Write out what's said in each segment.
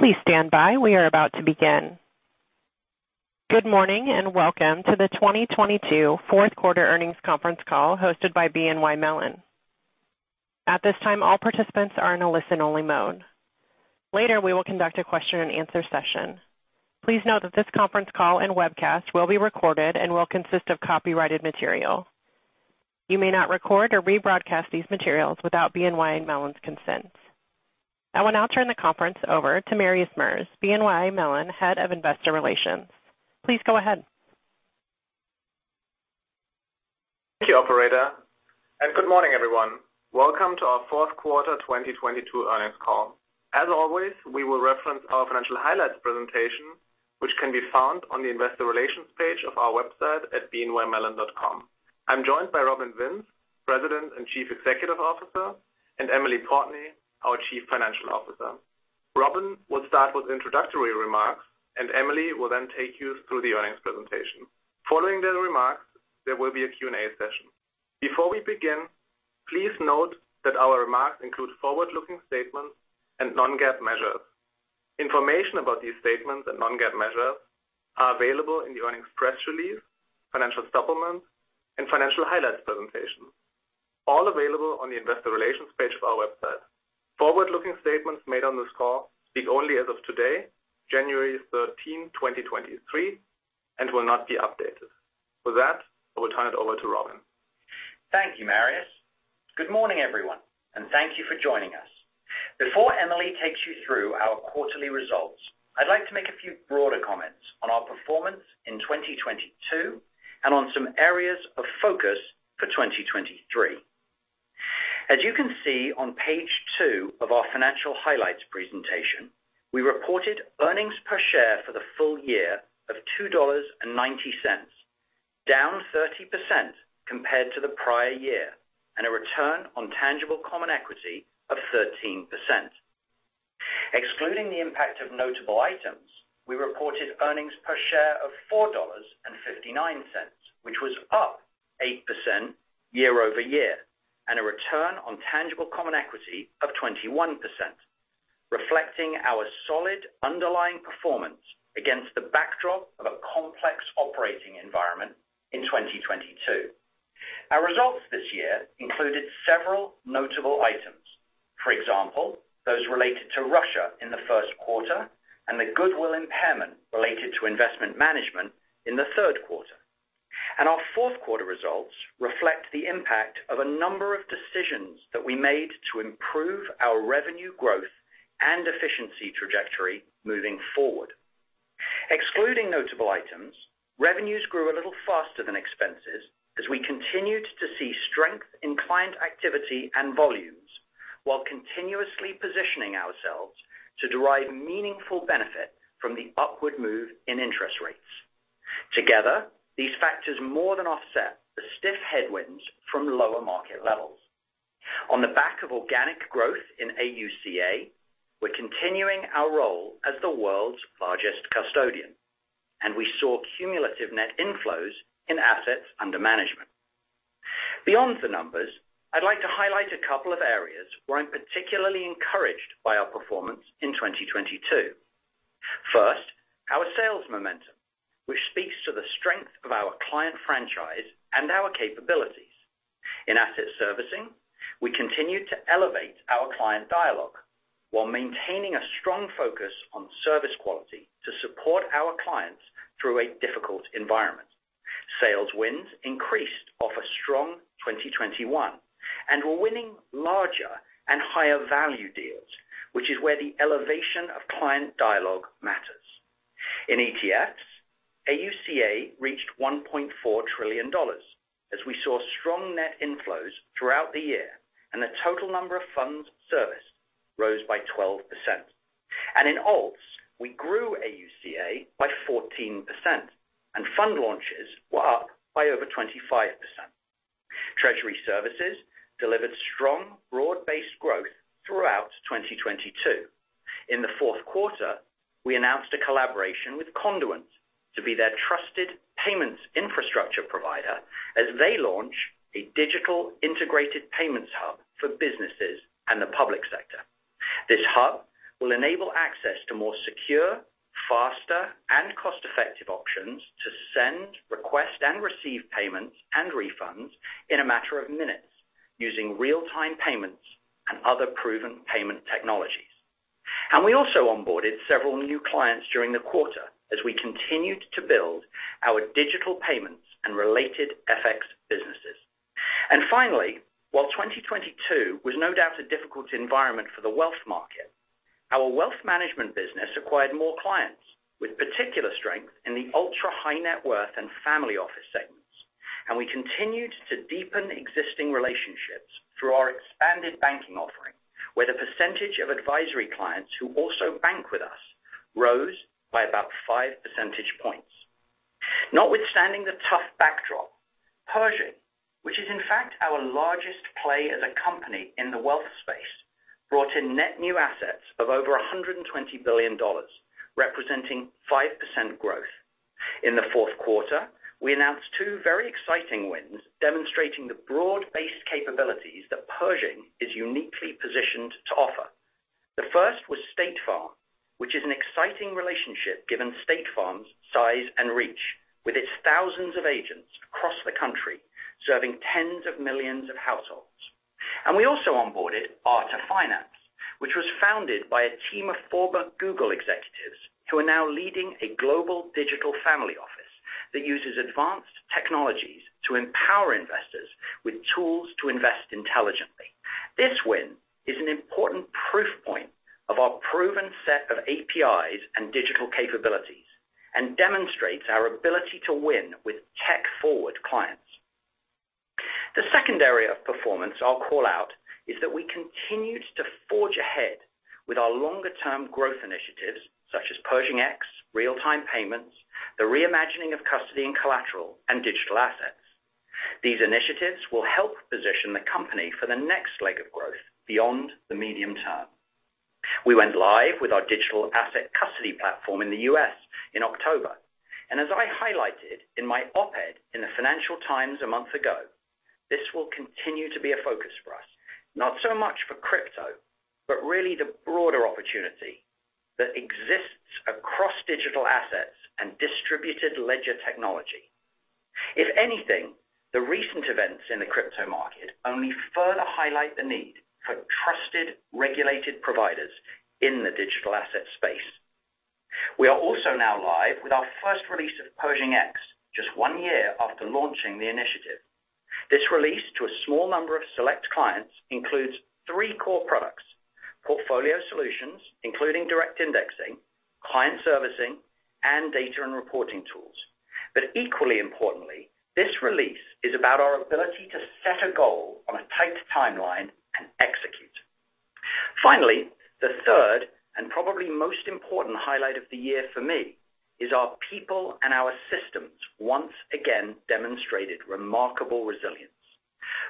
Please stand by. We are about to begin. Good morning, and welcome to the 2022 Q4 earnings conference call hosted by BNY Mellon. At this time, all participants are in a listen-only mode. Later, we will conduct a question-and-answer session. Please note that this conference call and webcast will be recorded and will consist of copyrighted material. You may not record or rebroadcast these materials without BNY Mellon's consent. I will now turn the conference over to Marius Merz, BNY Mellon Head of Investor Relations. Please go ahead. Thank you, operator. Good morning, everyone. Welcome to our Q4 2022 earnings call. As always, we will reference our financial highlights presentation, which can be found on the investor relations page of our website at bnymellon.com. I'm joined by Robin Vince, President and Chief Executive Officer, and Emily Portney, our Chief Financial Officer. Robin will start with introductory remarks, and Emily will then take you through the earnings presentation. Following their remarks, there will be a Q&A session. Before we begin, please note that our remarks include forward-looking statements and non-GAAP measures. Information about these statements and non-GAAP measures are available in the earnings press release, financial supplements, and financial highlights presentation, all available on the investor relations page of our website. Forward-looking statements made on this call speak only as of today, January 13, 2023, and will not be updated. With that, I will turn it over to Robin. Thank you, Marius. Good morning, everyone, and thank you for joining us. Before Emily takes you through our quarterly results, I'd like to make a few broader comments on our performance in 2022 and on some areas of focus for 2023. As you can see on page 2 of our financial highlights presentation, we reported earnings per share for the full year of $2.90, down 30% compared to the prior year, and a return on tangible common equity of 13%. Excluding the impact of notable items, we reported earnings per share of $4.59, which was up 8% year-over-year, and a return on tangible common equity of 21%, reflecting our solid underlying performance against the backdrop of a complex operating environment in 2022. Our results this year included several notable items. For example, those related to Russia in the Q1 and the goodwill impairment related to investment management in the Q3. Our Q4 results reflect the impact of a number of decisions that we made to improve our revenue growth and efficiency trajectory moving forward. Excluding notable items, revenues grew a little faster than expenses as we continued to see strength in client activity and volumes while continuously positioning ourselves to derive meaningful benefit from the upward move in interest rates. Together, these factors more than offset the stiff headwinds from lower market levels. On the back of organic growth in AUCA, we're continuing our role as the world's largest custodian, and we saw cumulative net inflows in assets under management. Beyond the numbers, I'd like to highlight a couple of areas where I'm particularly encouraged by our performance in 2022.Managing Director of Equity Research First, our sales momentum, which speaks to the strength of our client franchise and our capabilities. In asset servicing, we continue to elevate our client dialogue while maintaining a strong focus on service quality to support our clients through a difficult environment. Sales wins increased off a strong 2021. We're winning larger and higher value deals, which is where the elevation of client dialogue matters. In ETFs, AUCA reached $1.4 trillion as we saw strong net inflows throughout the year and the total number of funds serviced rose by 12%. In ALTS, we grew AUCA by 14% and fund launches were up by over 25%. Treasury services delivered strong broad-based growth throughout 2022. In the Q4, we announced a collaboration with Conduent to be their trusted payments infrastructure provider as they launch a digital integrated payments hub for businesses and the public sector. This hub will enable access to more secure, faster, and cost-effective options to send, request, and receive payments and refunds in a matter of minutes using real-time payments and other proven payment technologies. We also onboarded several new clients during the quarter as we continued to build our digital payments and related FX businesses. Finally, while 2022 was no doubt a difficult environment for the wealth market, our wealth management business acquired more clients with particular strength in the ultra-high net worth and family office segments. We continued to deepen existing relationships through our expanded banking offering, where the percentage of advisory clients who also bank with us rose by about 5 percentage points. Notwithstanding the tough backdrop, Pershing, which is in fact our largest play as a company in the wealth space, brought in net new assets of over $120 billion, representing 5% growth. In the Q4, we announced two very exciting wins demonstrating the broad-based capabilities that Pershing is uniquely positioned to offer. The first was State Farm, which is an exciting relationship given State Farm's size and reach with its thousands of agents across the country, serving tens of millions of households. We also onboarded Arta Finance, which was founded by a team of former Google executives who are now leading a global digital family office that uses advanced technologies to empower investors with tools to invest intelligently. This win is an important proof point of our proven set of APIs and digital capabilities and demonstrates our ability to win with tech-forward clients. The second area of performance I will call out is that we continued to forge ahead with our longer-term growth initiatives such as Pershing X, real-time payments, the reimagining of custody and collateral, and digital assets. These initiatives will help position the company for the next leg of growth beyond the medium term. We went live with our digital asset custody platform in the U.S. in October, and as I highlighted in my op-ed in the Financial Times a month ago, this will continue to be a focus for us, not so much for crypto, but really the broader opportunity that exists across digital assets and distributed ledger technology. If anything, the recent events in the crypto market only further highlight the need for trusted, regulated providers in the digital asset space. We are also now live with our first release of Pershing X just one year after launching the initiative. This release to a small number of select clients includes 3 core products: portfolio solutions, including direct indexing, client servicing, and data and reporting tools. Equally importantly, this release is about our ability to set a goal on a tight timeline and execute. Finally, the 3rd and probably most important highlight of the year for me is our people and our systems once again demonstrated remarkable resilience.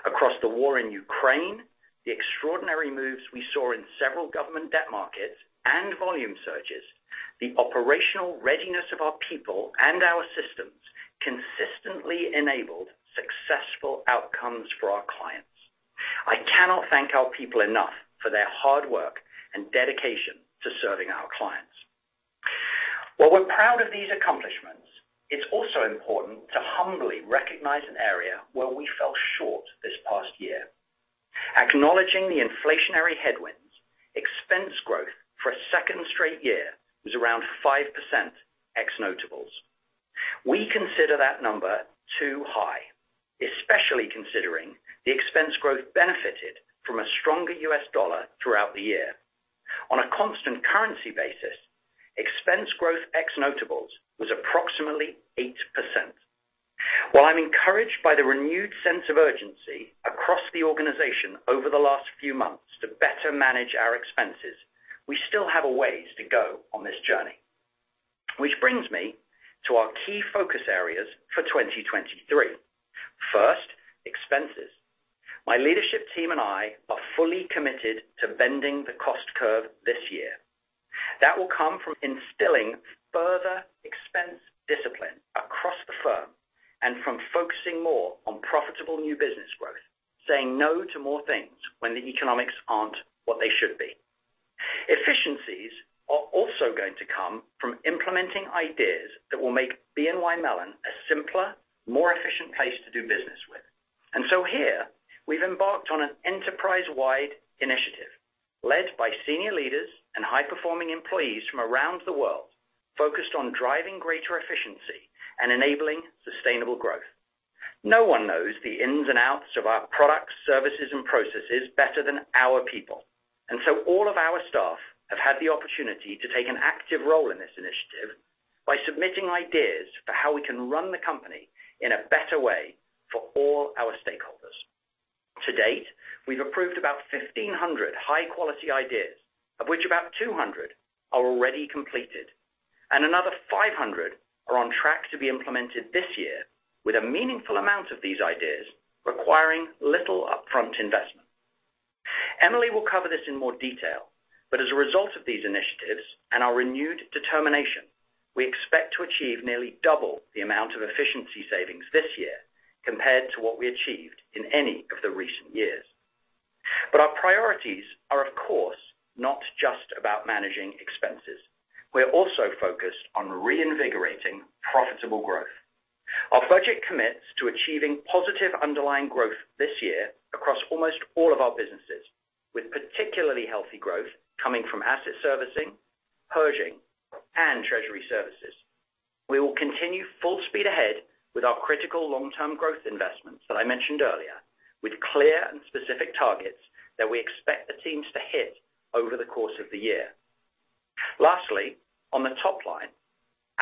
Across the war in Ukraine, the extraordinary moves we saw in several government debt markets and volume surges, the operational readiness of our people and our systems consistently enabled successful outcomes for our clients. I cannot thank our people enough for their hard work and dedication to serving our clients. While we're proud of these accomplishments, it's also important to humbly recognize an area where we fell short this past year. Acknowledging the inflationary headwinds, expense growth for a second straight year was around 5% ex-notables. We consider that number too high, especially considering the expense growth benefited from a stronger US dollar throughout the year. On a constant currency basis, expense growth ex-notables was approximately 8%. While I'm encouraged by the renewed sense of urgency across the organization over the last few months to better manage our expenses, we still have a ways to go on this journey. Which brings me to our key focus areas for 2023. First, expenses. My leadership team and I are fully committed to bending the cost curve this year. That will come from instilling further expense discipline across the firm and from focusing more on profitable new business growth. Saying no to more things when the economics aren't what they should be. Efficiencies are also going to come from implementing ideas that will make BNY Mellon a simpler, more efficient place to do business with. Here we've embarked on an enterprise-wide initiative led by senior leaders and high-performing employees from around the world focused on driving greater efficiency and enabling sustainable growth. No one knows the ins and outs of our products, services, and processes better than our people. All of our staff have had the opportunity to take an active role in this initiative by submitting ideas for how we can run the company in a better way for all our stakeholders. To date, we've approved about 1,500 high-quality ideas, of which about 200 are already completed, and another 500 are on track to be implemented this year with a meaningful amount of these ideas requiring little upfront investment. Emily will cover this in more detail, but as a result of these initiatives and our renewed determination, we expect to achieve nearly double the amount of efficiency savings this year compared to what we achieved in any of the recent years. Our priorities are, of course, not just about managing expenses. We're also focused on reinvigorating profitable growth. Our budget commits to achieving positive underlying growth this year across almost all of our businesses, with particularly healthy growth coming from asset servicing, Pershing, and treasury services. We will continue full speed ahead with our critical long-term growth investments that I mentioned earlier with clear and specific targets that we expect the teams to hit over the course of the year. Lastly, on the top line,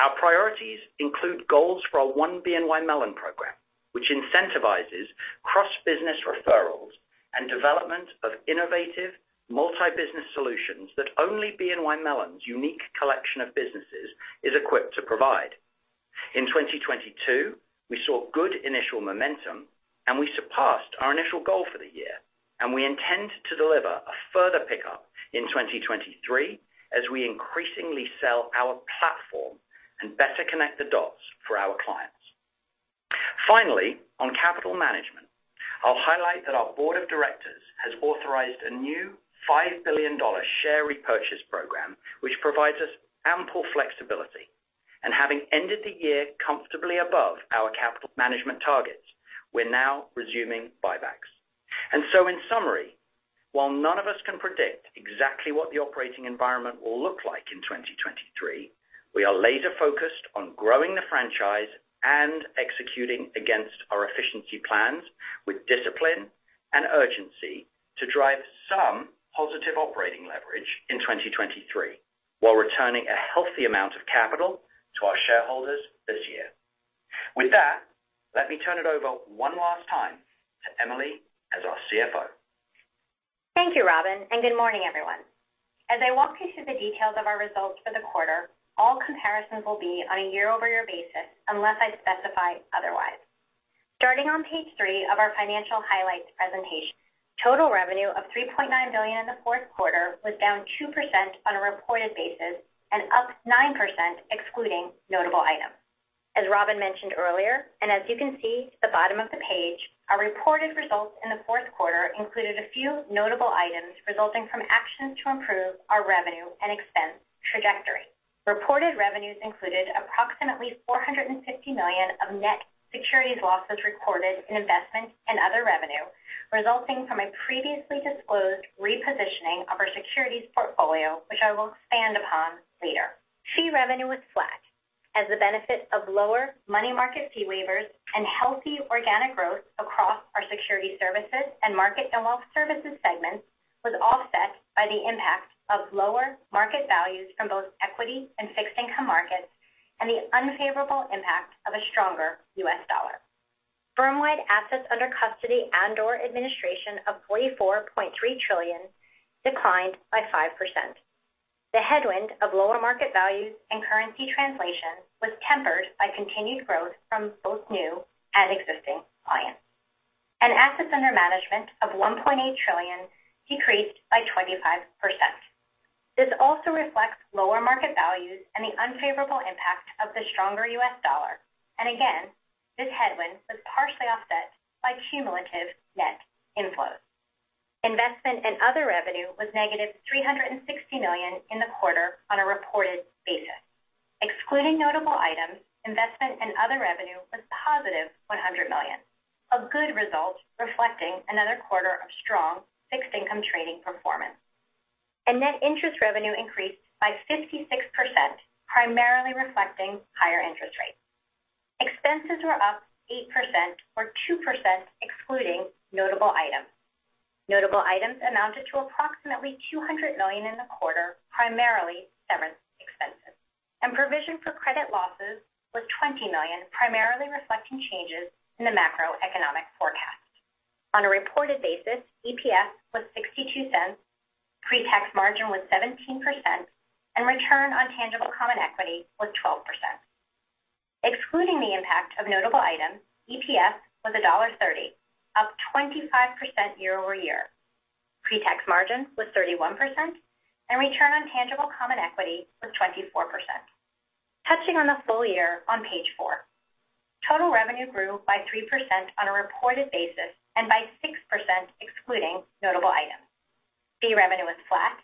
our priorities include goals for our One BNY Mellon program, which incentivizes cross-business referrals and development of innovative multi-business solutions that only BNY Mellon's unique collection of businesses is equipped to provide. In 2022, we saw good initial momentum. We surpassed our initial goal for the year. We intend to deliver a further pickup in 2023 as we increasingly sell our platform and better connect the dots for our clients. Finally, on capital management, I'll highlight that our board of directors has authorized a new $5 billion share repurchase program, which provides us ample flexibility. Having ended the year comfortably above our capital management targets, we're now resuming buybacks. In summary, while none of us can predict exactly what the operating environment will look like in 2023, we are laser focused on growing the franchise and executing against our efficiency plans with discipline and urgency to drive some positive operating leverage in 2023, while returning a healthy amount of capital to our shareholders this year. Let me turn it over one last time to Emily as our CFO. Thank you, Robin, and good morning, everyone. As I walk you through the details of our results for the quarter, all comparisons will be on a year-over-year basis unless I specify otherwise. Starting on page 3 of our financial highlights presentation, total revenue of $3.9 billion in the Q4 was down 2% on a reported basis and up 9% excluding notable items. As Robin mentioned earlier, and as you can see at the bottom of the page, our reported results in the Q4 included a few notable items resulting from actions to improve our revenue and expense trajectory. Reported revenues included approximately $450 million of net securities losses recorded in investment and other revenue, resulting from a previously disclosed repositioning of our securities portfolio, which I will expand upon later. Fee revenue was flat as the benefit of lower money market fee waivers and healthy organic growth across our Securities Services and market and wealth services segments was offset by the impact of lower market values from both equity and fixed income markets and the unfavorable impact of a stronger US dollar. Firm-wide assets under custody and or administration of 44.3 trillion declined by 5%. The headwind of lower market values and currency translation was tempered by continued growth from both new and existing clients. Assets under management of 1.8 trillion decreased by 25%. This also reflects lower market values and the unfavorable impact of the stronger US dollar. Again, this headwind was partially offset by cumulative net inflows. Investment and other revenue was negative $360 million in the quarter on a reported basis. Excluding notable items, investment and other revenue was positive $100 million, a good result reflecting another quarter of strong fixed income trading performance. Net interest revenue increased by 56%, primarily reflecting higher interest rates. Expenses were up 8% or 2% excluding notable items. Notable items amounted to approximately $200 million in the quarter, primarily severance expenses. Provision for credit losses was $20 million, primarily reflecting changes in the macroeconomic forecast. On a reported basis, EPS was $0.62, pre-tax margin was 17%, and return on tangible common equity was 12%. Excluding the impact of notable items, EPS was $1.30, up 25% year-over-year. Pre-tax margin was 31% and return on tangible common equity was 24%. Touching on the full year on page 4, total revenue grew by 3% on a reported basis and by 6% excluding notable items. Fee revenue was flat.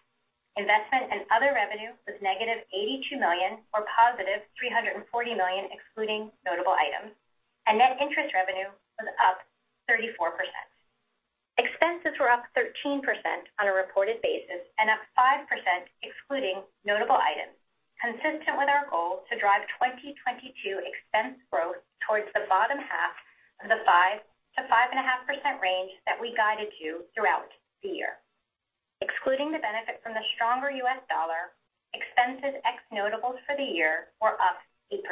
Investment and other revenue was negative $82 million or positive $340 million excluding notable items. Net interest revenue was up 34%. Expenses were up 13% on a reported basis and up 5% excluding notable items, consistent with our goal to drive 2022 expense growth towards the bottom half of the 5%-5.5% range that we guided you throughout the year. Excluding the benefit from the stronger U.S. dollar, expenses ex notables for the year were up 8%.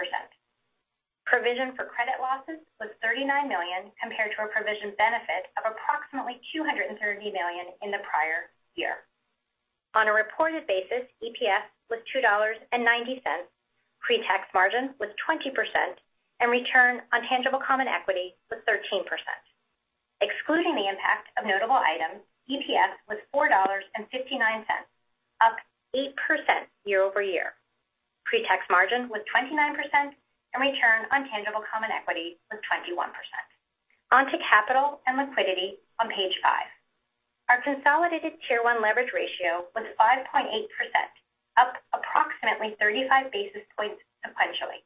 Provision for credit losses was $39 million compared to a provision benefit of approximately $230 million in the prior year. On a reported basis, EPS was $2.90. Pre-tax margin was 20% and return on tangible common equity was 13%. Excluding the impact of notable items, EPS was $4.59, up 8% year-over-year. Pre-tax margin was 29% and return on tangible common equity was 21%. On to capital and liquidity on page 5. Our consolidated tier one leverage ratio was 5.8%, up approximately 35 basis points sequentially,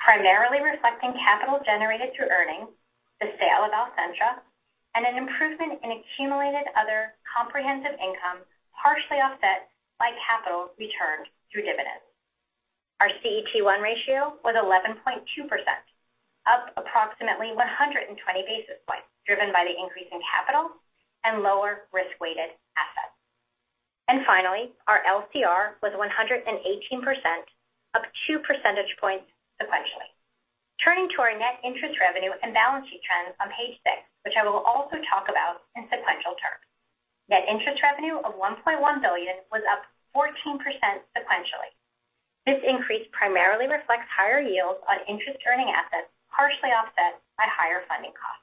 primarily reflecting capital generated through earnings, the sale of Alcentra, and an improvement in accumulated other comprehensive income, partially offset by capital returned through dividends. Our CET1 ratio was 11.2%, up approximately 120 basis points, driven by the increase in capital and lower risk-weighted assets. Finally, our LCR was 118%, up 2 percentage points sequentially. Turning to our net interest revenue and balance sheet trends on page six, which I will also talk about in sequential terms. Net interest revenue of $1.1 billion was up 14% sequentially. This increase primarily reflects higher yields on interest-earning assets, partially offset by higher funding costs.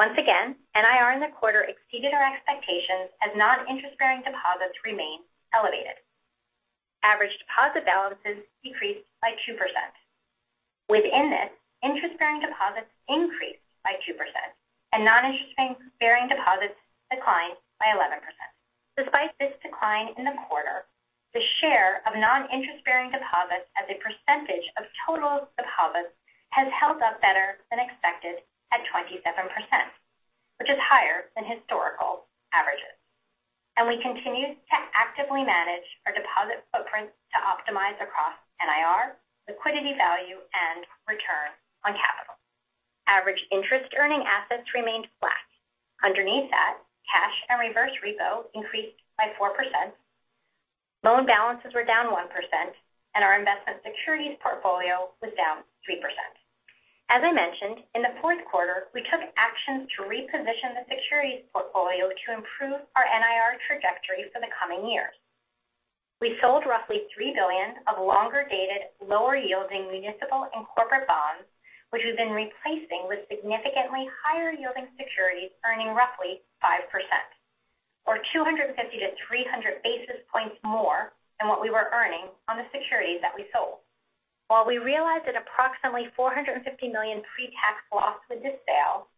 Once again, NIR in the quarter exceeded our expectations as non-interest-bearing deposits remain elevated. Average deposit balances decreased by 2%. Within this, interest-bearing deposits increased by 2% and non-interest-bearing deposits declined by 11%. Despite this decline in the quarter, the share of non-interest-bearing deposits as a percentage of total deposits has held up better than expected at 27%, which is higher than historical averages. We continue to actively manage our deposit footprint to optimize across NIR, liquidity value and return on capital. Average interest earning assets remained flat. Underneath that, cash and reverse repo increased by 4%. Loan balances were down 1%, and our investment securities portfolio was down 3%. As I mentioned in the Q4, we took actions to reposition the securities portfolio to improve our NIR trajectory for the coming years. We sold roughly $3 billion of longer-dated, lower-yielding municipal and corporate bonds, which we've been replacing with significantly higher-yielding securities earning roughly 5% or 250-300 basis points more than what we were earning on the securities that we sold. While we realized that approximately $450 million pre-tax loss with this sale,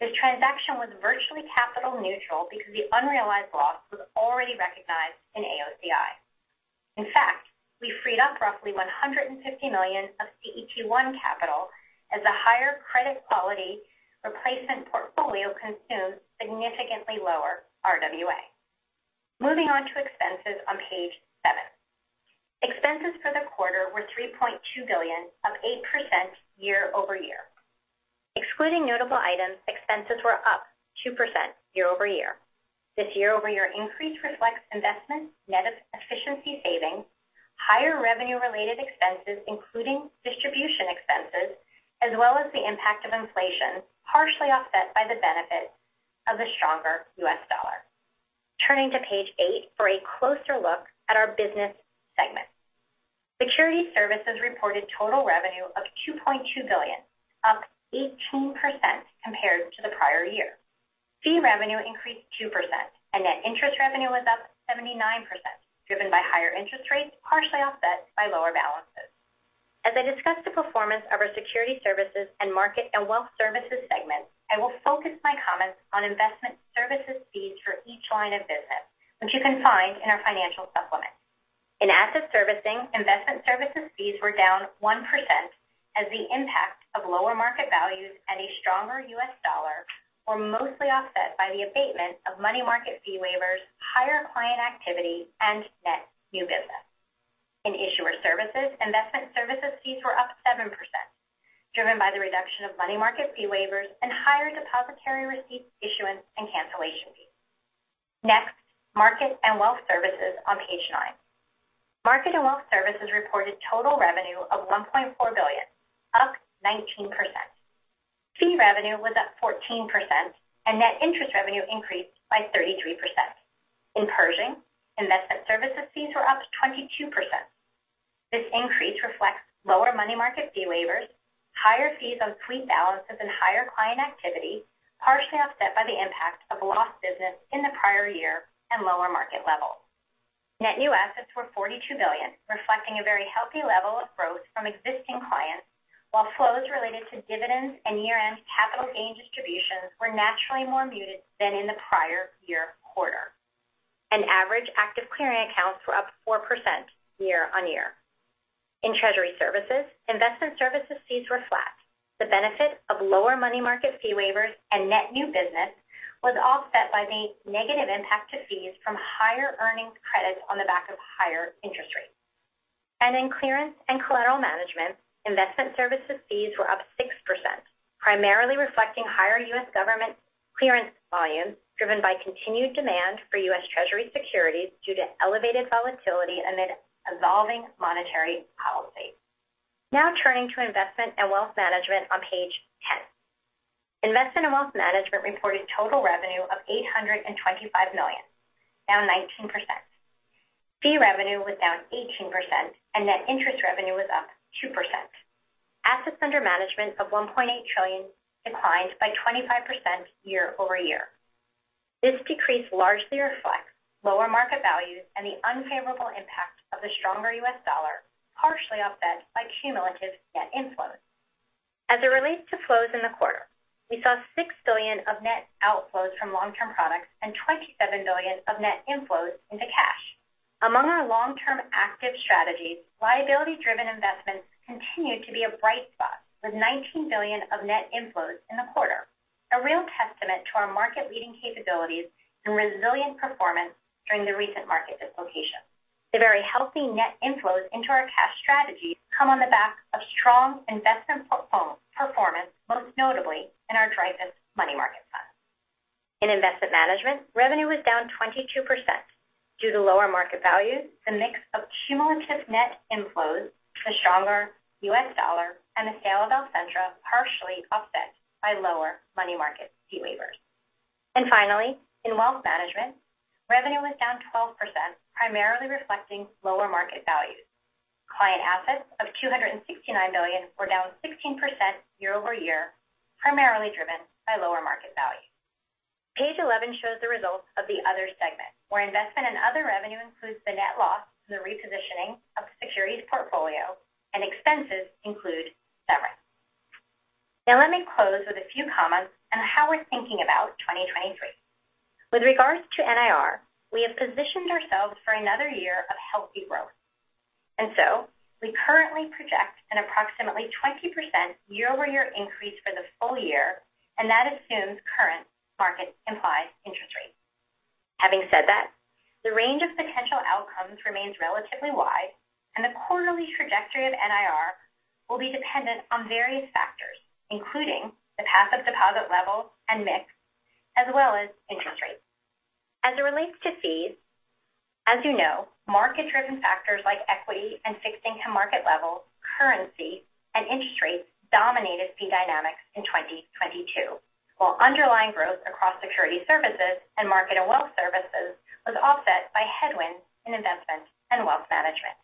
this transaction was virtually capital neutral because the unrealized loss was already recognized in AOCI. In fact, we freed up roughly $150 million of CET1 capital as the higher credit quality replacement portfolio consumes significantly lower RWA. Moving on to expenses on page seven. Expenses for the quarter were $3.2 billion, up 8% year-over-year. Excluding notable items, expenses were up 2% year-over-year. This year-over-year increase reflects investment, net efficiency savings, higher revenue-related expenses, including distribution expenses, as well as the impact of inflation, partially offset by the benefits of the stronger US dollar. Turning to page eight for a closer look at our business segment. Securities Services reported total revenue of $2.2 billion, up 18% compared to the prior year. Net interest revenue was up 79%, driven by higher interest rates, partially offset by lower balances. As I discuss the performance of our Securities Services and Market and Wealth Services segments, I will focus my comments on investment services fees for each line of business, which you can find in our financial supplement. In Asset Servicing, investment services fees were down 1% as the impact of lower market values and a stronger U.S. dollar were mostly offset by the abatement of money market fee waivers, higher client activity and net new business. In Issuer Services, investment services fees were up 7%, driven by the reduction of money market fee waivers and higher depository receipt issuance and cancellation fees. Market and Wealth Services on page 9. Market and Wealth Services reported total revenue of $1.4 billion, up 19%. Fee revenue was up 14% and net interest revenue increased by 33%. In Pershing, investment services fees were up 22%. This increase reflects lower money market fee waivers, higher fees on sweep balances and higher client activity, partially offset by the impact of lost business in the prior year and lower market levels. Net new assets were $42 billion, reflecting a very healthy level of growth from existing clients, while flows related to dividends and year-end capital gain distributions were naturally more muted than in the prior year quarter. Average active clearing accounts were up 4% year-over-year. In Treasury Services, investment services fees were flat. The benefit of lower money market fee waivers and net new business was offset by the negative impact to fees from higher earnings credits on the back of higher interest rates. In Clearance and Collateral Management, investment services fees were up 6%, primarily reflecting higher U.S. government clearance volumes driven by continued demand for U.S. Treasury securities due to elevated volatility amid evolving monetary policy. Now turning to Investment and Wealth Management on page 10. Investment and Wealth Management reported total revenue of $825 million, down 19%. Fee revenue was down 18% and net interest revenue was up 2%. Assets under management of $1.8 trillion declined by 25% year-over-year. This decrease largely reflects lower market values and the unfavorable impact of the stronger U.S. dollar, partially offset by cumulative net inflows. As it relates to flows in the quarter, we saw $6 billion of net outflows from long-term products and $27 billion of net inflows into cash. Among our long-term active strategies, liability-driven investments continued to be a bright spot with $19 billion of net inflows in the quarter. A real testament to our market-leading capabilities and resilient performance during the recent market dislocation. The very healthy net inflows into our cash strategy come on the back of strong investment performance, most notably in our Dreyfus Money Market Fund. In Investment Management, revenue was down 22% due to lower market values, the mix of cumulative net inflows, the stronger US dollar and the sale of Alcentra, partially offset by lower money market fee waivers. Finally, in wealth management, revenue was down 12%, primarily reflecting lower market values. Client assets of $269 million were down 16% year-over-year, primarily driven by lower market value. Page 11 shows the results of the other segment, where investment and other revenue includes the net loss from the repositioning of the securities portfolio and expenses include severance. Now let me close with a few comments on how we're thinking about 2023. With regards to NIR, we have positioned ourselves for another year of healthy growth. We currently project an approximately 20% year-over-year increase for the full year, and that assumes current market implied interest rates. Having said that, the range of potential outcomes remains relatively wide, and the quarterly trajectory of NIR will be dependent on various factors, including the pass up deposit level and mix, as well as interest rates. As it relates to fees, as you know, market-driven factors like equity and fixed income market levels, currency, and interest rates dominated fee dynamics in 2022, while underlying growth across Securities Services and market and wealth services was offset by headwinds in investment and wealth management.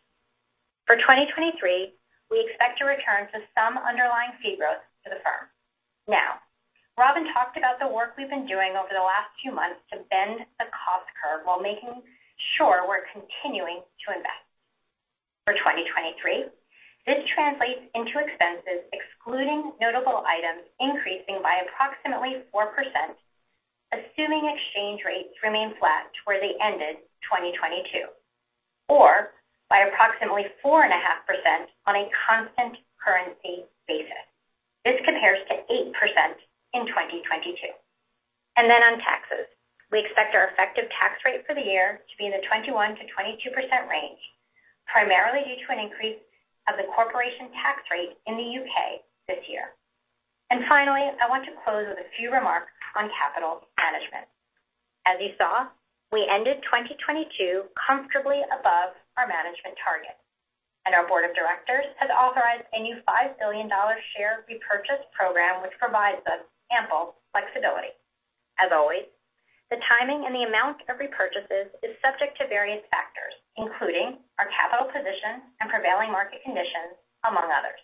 For 2023, we expect to return to some underlying fee growth for the firm. Now, Robin talked about the work we've been doing over the last few months to bend the cost curve while making sure we're continuing to invest. For 2023, this translates into expenses excluding notable items increasing by approximately 4%, assuming exchange rates remain flat to where they ended 2022, or by approximately 4.5% on a constant currency basis. This compares to 8% in 2022. Then on taxes, we expect our effective tax rate for the year to be in the 21%-22% range, primarily due to an increase of the corporation tax rate in the UK this year. Finally, I want to close with a few remarks on capital management. As you saw, we ended 2022 comfortably above our management target, and our board of directors has authorized a new $5 billion share repurchase program, which provides us ample flexibility. As always, the timing and the amount of repurchases is subject to various factors, including our capital position and prevailing market conditions, among others.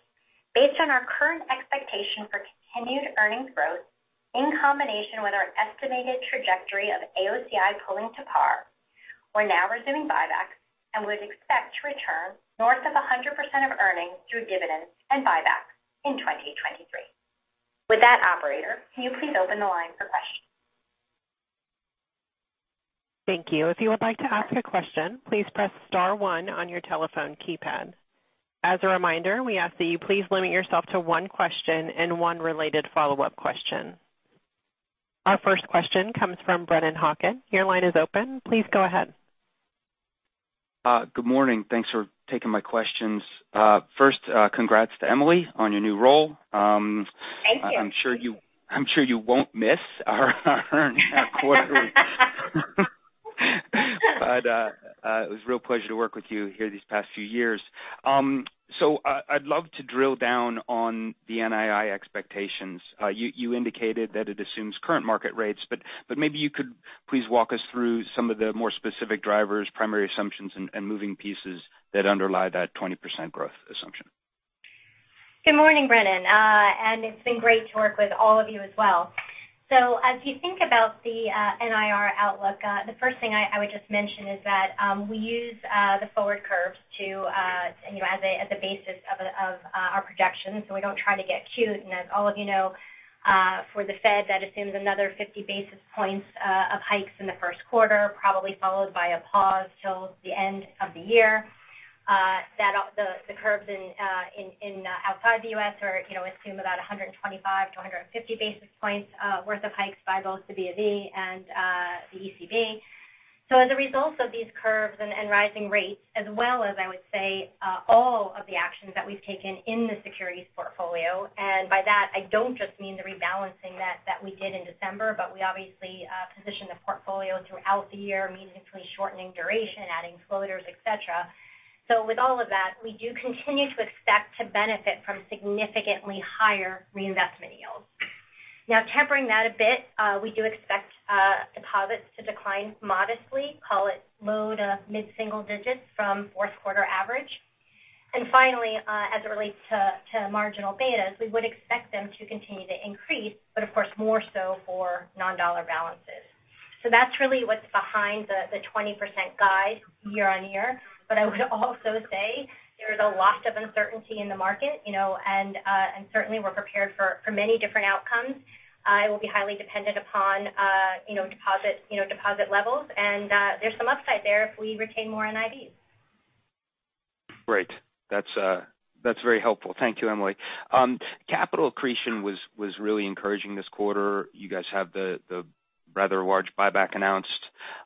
Based on our current expectation for continued earnings growth in combination with our estimated trajectory of AOCI pulling to par, we're now resuming buybacks and would expect to return north of 100% of earnings through dividends and buybacks in 2023. With that, operator, can you please open the line for questions? Thank you. If you would like to ask a question, please press star one on your telephone keypad. As a reminder, we ask that you please limit yourself to one question and one related follow-up question. Our first question comes from Brennan Hawken. Your line is open. Please go ahead. Good morning. Thanks for taking my questions. First, congrats to Emily on your new role. Thank you. I'm sure you won't miss our quarterly it was a real pleasure to work with you here these past few years. I'd love to drill down on the NII expectations. You indicated that it assumes current market rates, but maybe you could please walk us through some of the more specific drivers, primary assumptions, and moving pieces that underlie that 20% growth assumption. Good morning, Brennan. It's been great to work with all of you as well. As you think about the NIR outlook, the first thing I would just mention is that we use the forward curves to, you know, as a basis of our projections, we don't try to get cute. As all of you know, for the Fed, that assumes another 50 basis points of hikes in the Q1, probably followed by a pause till the end of the year. The curves in outside the US are, you know, assume about 125 to 150 basis points worth of hikes by both the BoE and the ECB. As a result of these curves and rising rates, as well as I would say, all of the actions that we've taken in the securities portfolio, and by that I don't just mean the rebalancing that we did in December, but we obviously positioned the portfolio throughout the year, meaningfully shortening duration, adding floaters, et cetera. With all of that, we do continue to expect to benefit from significantly higher reinvestment yields. Now, tempering that a bit, we do expect deposits to decline modestly, call it low to mid-single digits from Q4 average. Finally, as it relates to marginal betas, we would expect them to continue to increase, but of course, more so for non-dollar balances. That's really what's behind the 20% guide year-on-year. I would also say there's a lot of uncertainty in the market, you know, and certainly we're prepared for many different outcomes. It will be highly dependent upon, you know, deposit levels, and there's some upside there if we retain more NIBs Great. That's very helpful. Thank you, Emily. Capital accretion was really encouraging this quarter. You guys have the rather large buyback announced,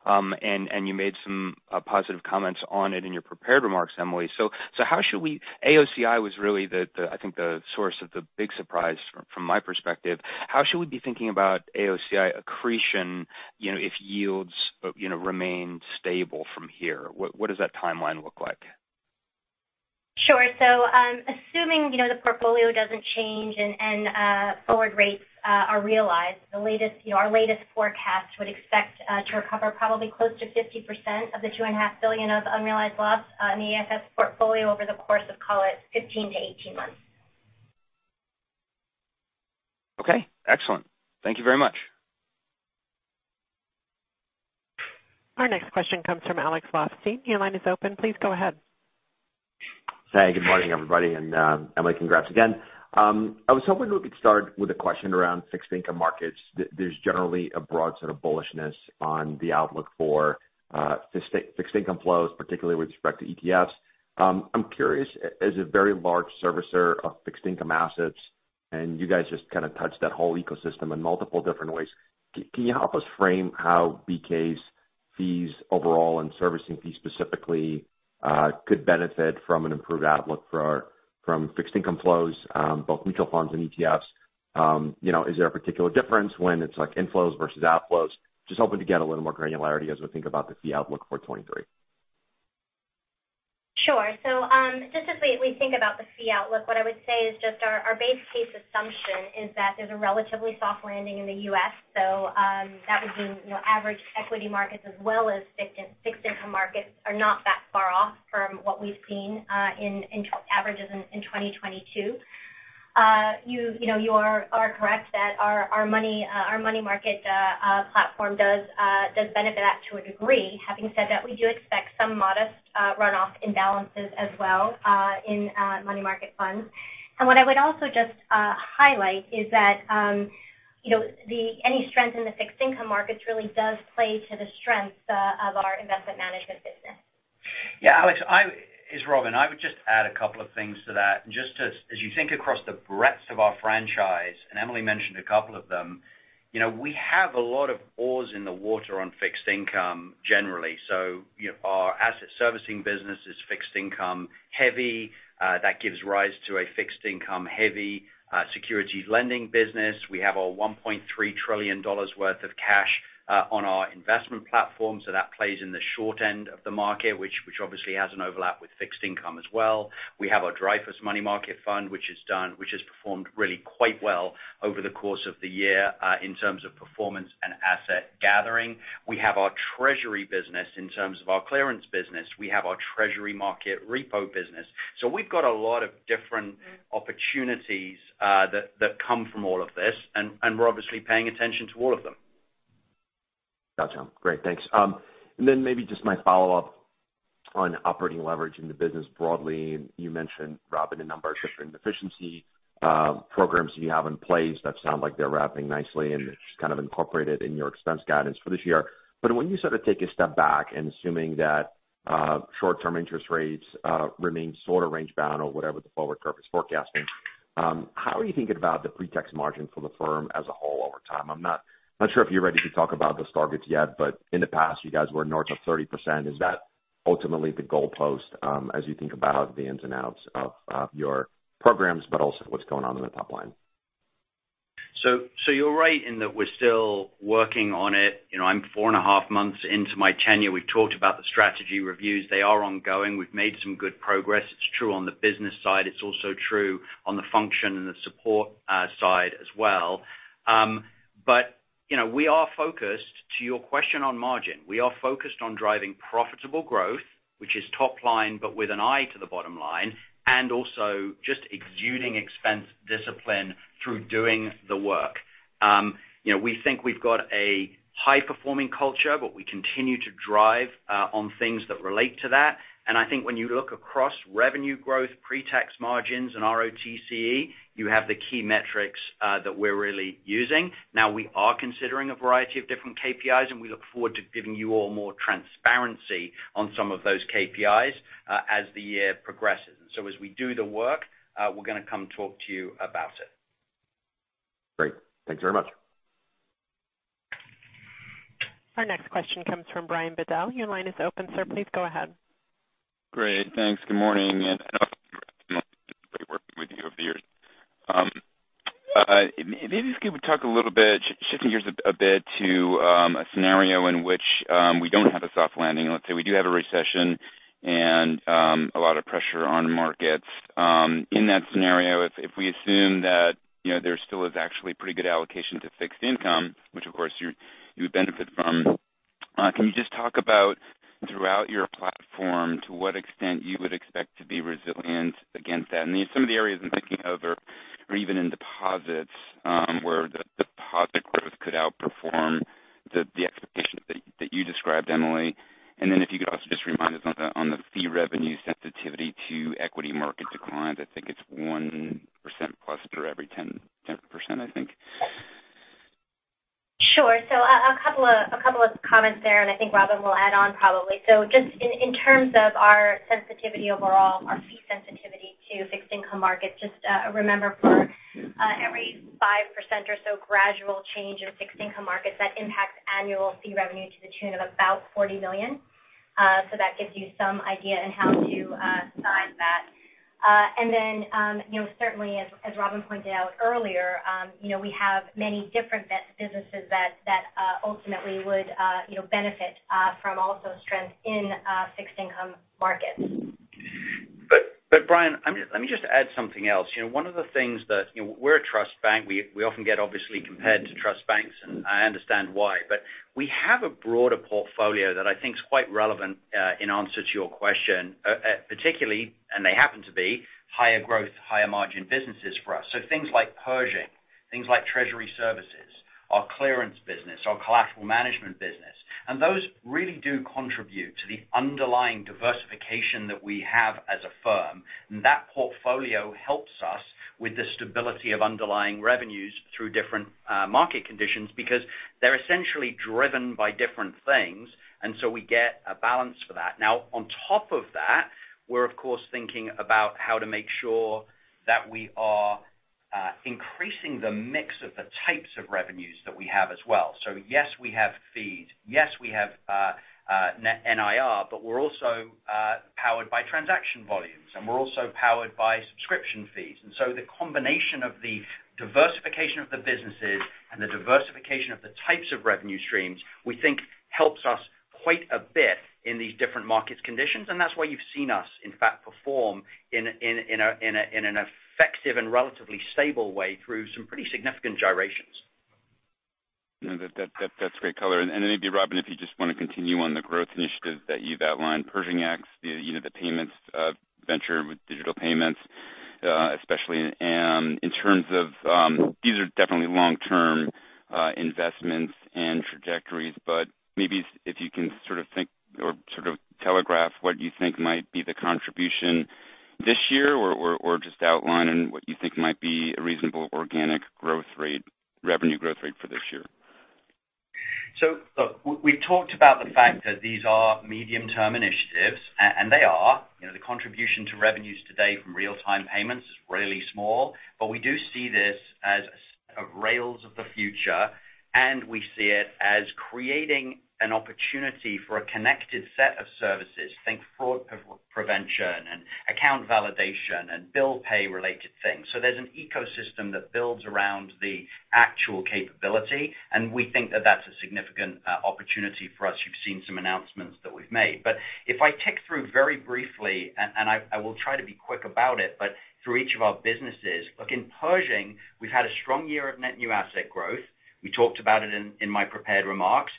and you made some positive comments on it in your prepared remarks, Emily. AOCI was really the, I think the source of the big surprise from my perspective. How should we be thinking about AOCI accretion, you know, if yields, you know, remain stable from here? What does that timeline look like? Sure. Assuming, you know, the portfolio doesn't change and, forward rates are realized, the latest, you know, our latest forecast would expect to recover probably close to 50% of the $2.5 billion of unrealized loss in the AFS portfolio over the course of, call it, 15-18 months. Okay, excellent. Thank you very much. Our next question comes from Alex Blostein. Your line is open. Please go ahead. Hey, good morning, everybody. Emily, congrats again. I was hoping we could start with a question around fixed income markets. There's generally a broad set of bullishness on the outlook for fixed income flows, particularly with respect to ETFs. I'm curious, as a very large servicer of fixed income assets, and you guys just kind kind of touched that whole ecosystem in multiple different ways, can you help us frame how BNY Mellon's fees overall and servicing fees specifically could benefit from an improved outlook from fixed income flows, both mutual funds and ETFs? You know, is there a particular difference when it's like inflows versus outflows? Just hoping to get a little more granularity as we think about the fee outlook for 23. Sure. Just as we think about the fee outlook, what I would say is just our base case assumption is that there's a relatively soft landing in the U.S. That would mean, you know, average equity markets as well as fixed income markets are not that far off from what we've seen in averages in 2022. You know, you are correct that our money market platform does benefit that to a degree. Having said that, we do expect some modest runoff imbalances as well in money market funds. What I would also just highlight is that, you know, any strength in the fixed income markets really does play to the strengths of our investment management business. Yeah, Alex, It's Robin. I would just add a couple of things to that. Just as you think across the breadth of our franchise, and Emily mentioned a couple of them, you know, we have a lot of oars in the water on fixed income generally. You know, our asset servicing business is fixed income heavy. That gives rise to a fixed income heavy securities lending business. We have our $1.3 trillion worth of cash on our investment platform, so that plays in the short end of the market, which obviously has an overlap with fixed income as well. We have our Dreyfus Money Market Fund, which has performed really quite well over the course of the year in terms of performance and asset gathering. We have our treasury business in terms of our clearance business. We have our treasury market repo business. We've got a lot of different opportunities, that come from all of this. We're obviously paying attention to all of them. Gotcha. Great. Thanks. Then maybe just my follow-up on operating leverage in the business broadly. You mentioned, Robin, a number of different efficiency programs that you have in place that sound like they're wrapping nicely and just kind of incorporated in your expense guidance for this year. When you sort of take a step back and assuming that short-term interest rates remain sort of range bound or whatever the forward curve is forecasting, how are you thinking about the pre-tax margin for the firm as a whole over time? I'm not sure if you're ready to talk about those targets yet, but in the past, you guys were north of 30%. Is that ultimately the goalpost as you think about the ins and outs of your programs, but also what's going on in the top line? You're right in that we're still working on it. You know, I'm 4 and a half months into my tenure. We've talked about the strategy reviews. They are ongoing. We've made some good progress. It's true on the business side. It's also true on the function and the support side as well. You know, we are focused, to your question on margin, we are focused on driving profitable growth, which is top line, but with an eye to the bottom line, and also just exuding expense discipline through doing the work. You know, we think we've got a high-performing culture, but we continue to drive on things that relate to that. I think when you look across revenue growth, pre-tax margins and ROTCE, you have the key metrics that we're really using. Now, we are considering a variety of different KPIs, and we look forward to giving you all more transparency on some of those KPIs as the year progresses. As we do the work, we're gonna come talk to you about it. Great. Thanks very much. Our next question comes from Brian Bedell. Your line is open, sir. Please go ahead. Great. Thanks. Good morning. I know it's been great working with you over the years. Maybe if you could talk a little bit, shifting gears a bit to a scenario in which we don't have a soft landing. Let's say we do have a recession and a lot of pressure on markets. In that scenario, if we assume that, you know, there still is actually pretty good allocation to fixed income, which of course you would benefit from, can you just talk about throughout your platform, to what extent you would expect to be resilient against that? Some of the areas I'm thinking of are even in deposits, where the deposit growth could outperform the expectations that you described, Emily. If you could also just remind us on the fee revenue sensitivity to equity market declines. I think it's 1% plus for every 10%, I think. Sure. A couple of comments there, and I think Robin will add on probably. Just in terms of our sensitivity overall, our fee sensitivity to fixed income markets, just remember for every 5% or so gradual change in fixed income markets, that impacts annual fee revenue to the tune of about $40 million. That gives you some idea in how to size that. And then, you know, certainly as Robin pointed out earlier, you know, we have many different businesses that ultimately would, you know, benefit from also strengths in fixed income markets. Brian, let me just add something else. You know, one of the things that, you know, we're a trust bank. We often get obviously compared to trust banks, and I understand why, but we have a broader portfolio that I think is quite relevant in answer to your question particularly, and they happen to be higher growth, higher margin businesses for us. Things like Pershing, things like treasury services, our clearance business, our collateral management business. Those really do contribute to the underlying diversification that we have as a firm. That portfolio helps us with the stability of underlying revenues through different market conditions because they're essentially driven by different things, we get a balance for that. On top of that, we're of course thinking about how to make sure that we are increasing the mix of the types of revenues that we have as well. Yes, we have fees, yes, we have net NIR, but we're also powered by transaction volumes, and we're also powered by subscription fees. The combination of the diversification of the businesses and the diversification of the types of revenue streams, we think helps us quite a bit in these different markets conditions. That's why you've seen us, in fact, perform in an effective and relatively stable way through some pretty significant gyrations. No, that's great color. Maybe, Robin, if you just want to continue on the growth initiatives that you've outlined, Pershing X, you know, the payments venture with digital payments, especially in terms of these are definitely long-term investments and trajectories, but maybe if you can sort of think or sort of telegraph what you think might be the contribution this year or just outline in what you think might be a reasonable organic revenue growth rate for this year? Look, we've talked about the fact that these are medium-term initiatives, and they are. You know, the contribution to revenues today from real-time payments is really small. We do see this as a set of rails of the future, and we see it as creating an opportunity for a connected set of services. Think fraud prevention and account validation and bill pay related things. There's an ecosystem that builds around the actual capability, and we think that that's a significant opportunity for us. You've seen some announcements that we've made. If I tick through very briefly, and I will try to be quick about it, but through each of our businesses. Look, in Pershing, we've had a strong year of net new asset growth. We talked about it in my prepared remarks.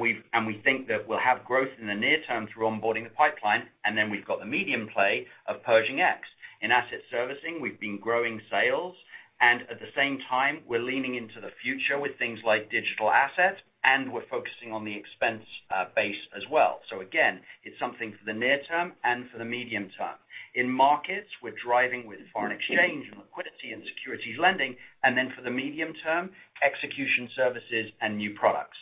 We think that we'll have growth in the near term through onboarding the pipeline, and then we've got the medium play of Pershing X. In asset servicing, we've been growing sales. At the same time, we're leaning into the future with things like digital assets, and we're focusing on the expense base as well. Again, it's something for the near term and for the medium term. In markets, we're driving with foreign exchange and liquidity and securities lending. For the medium term, execution services and new products.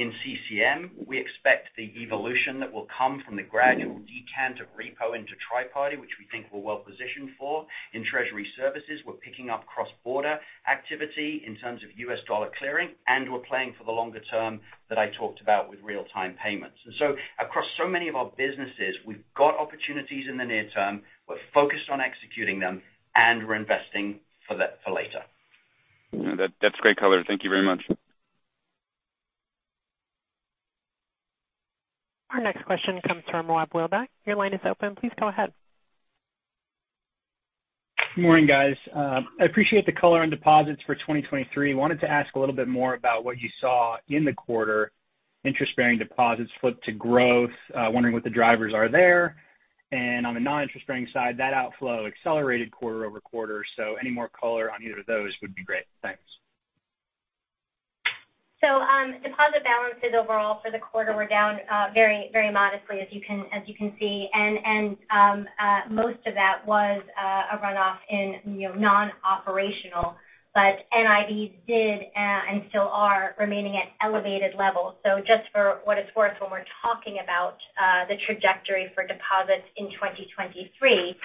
In CCM, we expect the evolution that will come from the gradual decant of repo into tri-party, which we think we're well positioned for. In treasury services, we're picking up cross-border activity in terms of US dollar clearing. We're playing for the longer term that I talked about with real-time payments. Across so many of our businesses, we've got opportunities in the near term. We're focused on executing them, and we're investing for later. That's great color. Thank you very much. Our next question comes from Rob Wildhack Your line is open. Please go ahead. Morning, guys. I appreciate the color on deposits for 2023. Wanted to ask a little bit more about what you saw in the quarter, interest-bearing deposits flip to growth. Wondering what the drivers are there. On the non-interest-bearing side, that outflow accelerated quarter-over-quarter. Any more color on either of those would be great. Thanks. Deposit balances overall for the quarter were down very, very modestly as you can see. Most of that was a runoff in, you know, non-operational. NIBs did and still are remaining at elevated levels. Just for what it's worth, when we're talking about the trajectory for deposits in 2023,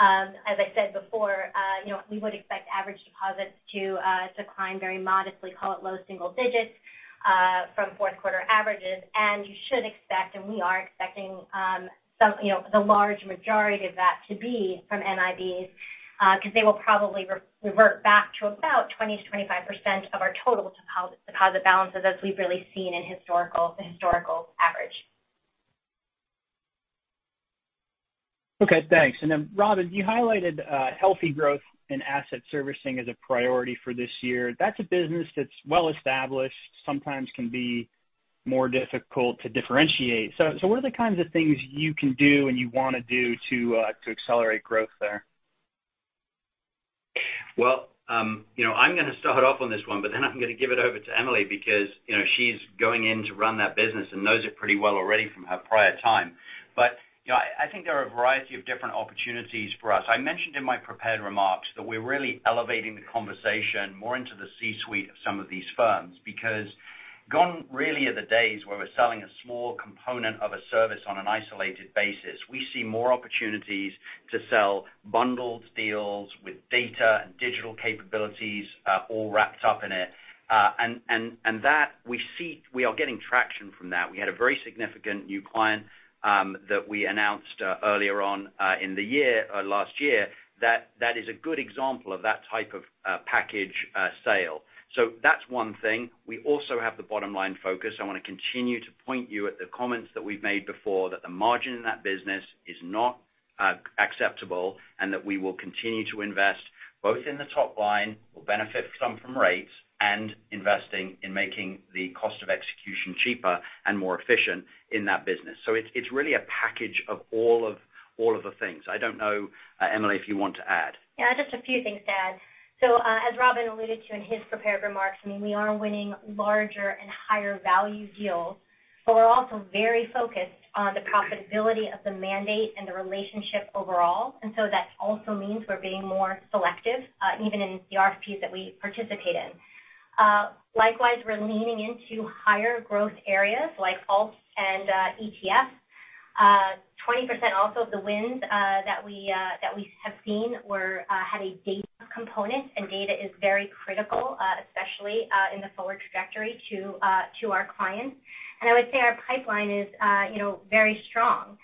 as I said before, you know, we would expect average deposits to decline very modestly, call it low single digits, from Q4 averages. You should expect, and we are expecting, some, you know, the large majority of that to be from NIBs, because they will probably re-revert back to about 20%-25% of our total deposit balances as we've really seen in the historical average. Okay, thanks. Robin, you highlighted healthy growth in asset servicing as a priority for this year. That's a business that's well established, sometimes can be more difficult to differentiate. So what are the kinds of things you can do and you want to do to accelerate growth there? Well, you know, I'm gonna start off on this one. I'm gonna give it over to Emily because, you know, she's going in to run that business and knows it pretty well already from her prior time. You know, I think there are a variety of different opportunities for us. I mentioned in my prepared remarks that we're really elevating the conversation more into the C-suite of some of these firms, because gone really are the days where we're selling a small component of a service on an isolated basis. We see more opportunities to sell bundled deals with data and digital capabilities, all wrapped up in it. That we see we are getting traction from that. We had a very significant new client, that we announced earlier on in the year last year, that is a good example of that type of package sale. That's one thing. We also have the bottom line focus. I wanna continue to point you at the comments that we've made before, that the margin in that business is not acceptable and that we will continue to invest both in the top line, we'll benefit some from rates and investing in making the cost of execution cheaper and more efficient in that business. It's really a package of all of the things. I don't know, Emily, if you want to add? Yeah, just a few things to add. As Robin alluded to in his prepared remarks, I mean, we are winning larger and higher value deals, but we're also very focused on the profitability of the mandate and the relationship overall. That also means we're being more selective, even in the RFPs that we participate in. Likewise, we're leaning into higher growth areas like ALTS and ETFs. 20% also of the wins that we have seen were had a data component, and data is very critical, especially in the forward trajectory to to our clients. I would say our pipeline is, you know, very strong.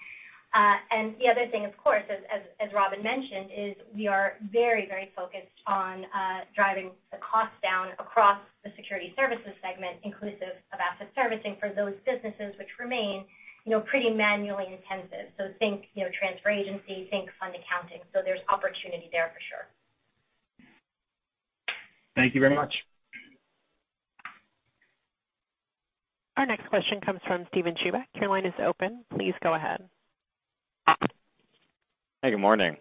The other thing, of course, as Robin mentioned, is we are very, very focused on driving the costs down across the Securities Services segment, inclusive of asset servicing for those businesses which remain, you know, pretty manually intensive. Think, you know, transfer agency, think fund accounting. There's opportunity there for sure. Thank you very much. Our next question comes from Steven Chubak. Your line is open. Please go ahead. Hey, good morning.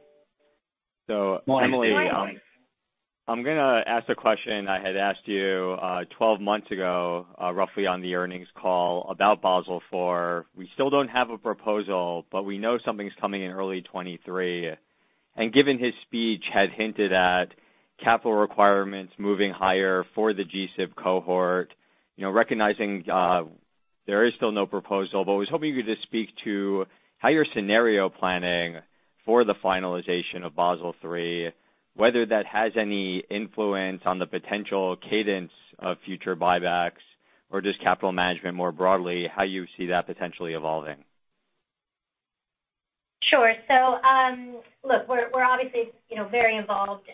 Good morning. Emily, I'm gonna ask a question I had asked you, 12 months ago, roughly on the earnings call about Basel IV. We still don't have a proposal. We know something's coming in early 2023. Given his speech had hinted at capital requirements moving higher for the G-SIB cohort, you know, recognizing, there is still no proposal. I was hoping you could just speak to how your scenario planning for the finalization of Basel III, whether that has any influence on the potential cadence of future buybacks or just capital management more broadly, how you see that potentially evolving. Sure. Look, we're obviously, you know, very involved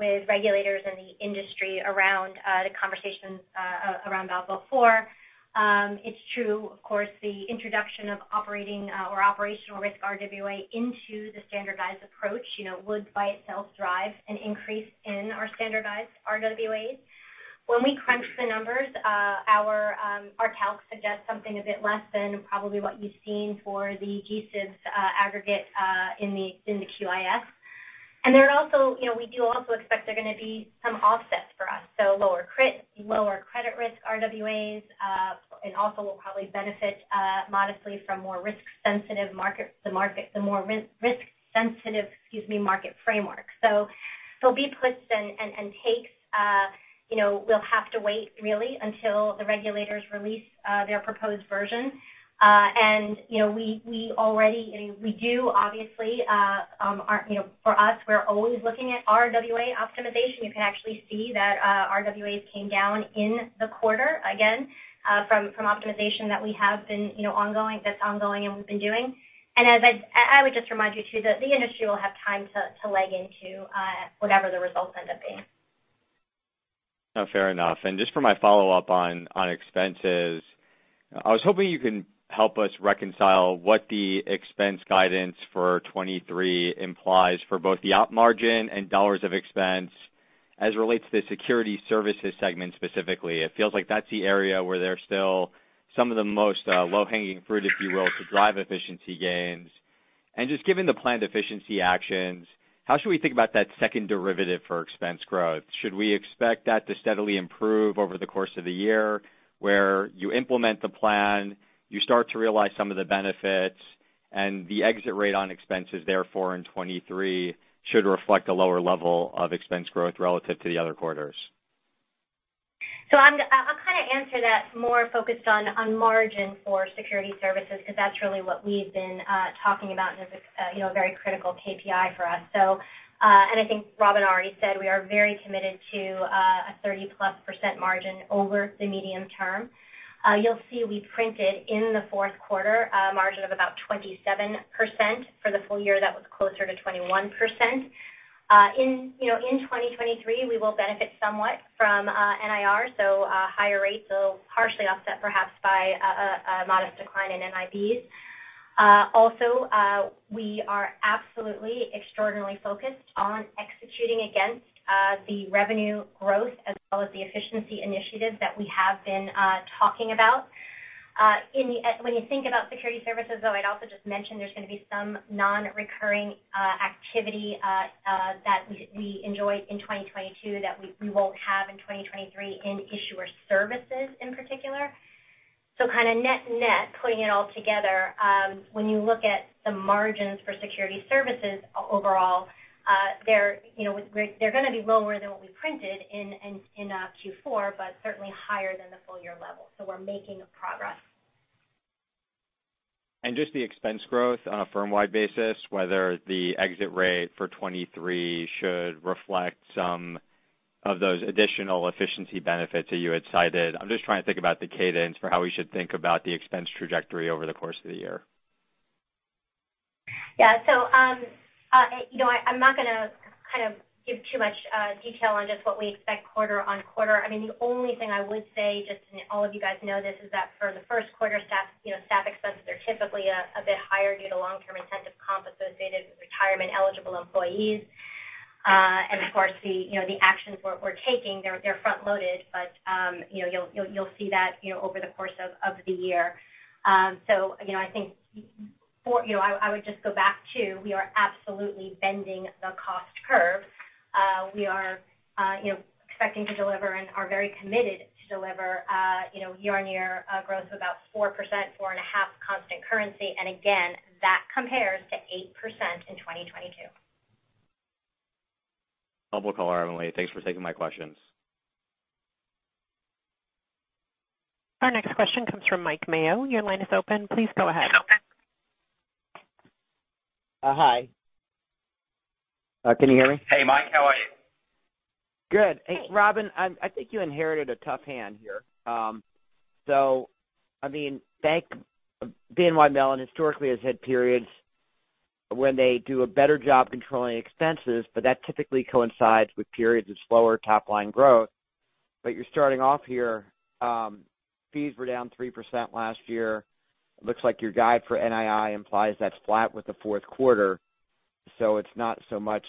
with regulators in the industry around the conversations around Basel IV. It's true, of course, the introduction of operating or operational risk RWA into the standardized approach, you know, would by itself drive an increase in our standardized RWAs. When we crunch the numbers, our calcs suggest something a bit less than probably what you've seen for the G-SIBs aggregate in the QIS. There are also, you know, we do also expect there are gonna be some offsets for us, so lower credit risk RWAs, and also we'll probably benefit modestly from more risk-sensitive market to market, the more risk-sensitive, excuse me, market framework. There'll be puts and takes. You know, we'll have to wait really until the regulators release their proposed version. You know, we already, I mean, we do obviously are, you know, for us, we're always looking at RWA optimization. You can actually see that RWAs came down in the quarter again from optimization that we have been, you know, ongoing, that's ongoing and we've been doing. As I would just remind you too that the industry will have time to leg into whatever the results end up being. No, fair enough. Just for my follow-up on expenses, I was hoping you can help us reconcile what the expense guidance for 23 implies for both the Op Margin and dollars of expense as it relates to the Securities Services segment specifically. It feels like that's the area where there's still some of the most low-hanging fruit, if you will, to drive efficiency gains. Just given the planned efficiency actions, how should we think about that second derivative for expense growth? Should we expect that to steadily improve over the course of the year, where you implement the plan, you start to realize some of the benefits, and the exit rate on expenses therefore in 23 should reflect a lower level of expense growth relative to the other quarters? I'll kind of answer that more focused on margin for Securities Services because that's really what we've been talking about and is a, you know, a very critical KPI for us. And I think Robin already said we are very committed to a 30-plus % margin over the medium term. You'll see we printed in the Q4 a margin of about 27%. For the full year, that was closer to 21%. In, you know, in 2023, we will benefit somewhat from NIR, so higher rates will partially offset perhaps by a modest decline in NIBs. Also, we are absolutely extraordinarily focused on executing against the revenue growth as well as the efficiency initiatives that we have been talking about. When you think about Securities Services, though, I'd also just mention there's gonna be some non-recurring activity that we enjoyed in 2022 that we won't have in 2023 in issuer services in particular. Kind of net-net, putting it all together, when you look at the margins for Securities Services overall, they're, you know, they're gonna be lower than what we printed in Q4, but certainly higher than the full year level. We're making progress. Just the expense growth on a firm-wide basis, whether the exit rate for 2023 should reflect some of those additional efficiency benefits that you had cited. I'm just trying to think about the cadence for how we should think about the expense trajectory over the course of the year. Yeah. You know, I'm not gonna kind of give too much detail on just what we expect quarter-on-quarter. I mean, the only thing I would say, just all of you guys know this, is that for the Q1 staff, you know, staff expenses are typically a bit higher due to long-term incentive comp associated with retirement-eligible employees. Of course the, you know, the actions we're taking, they're front-loaded. You know, you'll see that, you know, over the course of the year. You know, I would just go back to, we are absolutely bending the cost curve. We are, you know, expecting to deliver and are very committed to deliver, you know, year-on-year, growth of about 4%, 4.5 constant currency. That compares to 8% in 2022. Public call, Thanks for taking my questions. Our next question comes from Mike Mayo. Your line is open. Please go ahead. Hi. Can you hear me? Hey, Mike. How are you? Good. Hey, Robin, I think you inherited a tough hand here. I mean, bank, BNY Mellon historically has had periods when they do a better job controlling expenses, but that typically coincides with periods of slower top line growth. You're starting off here, fees were down 3% last year. Looks like your guide for NII implies that's flat with the Q4. It's not so much,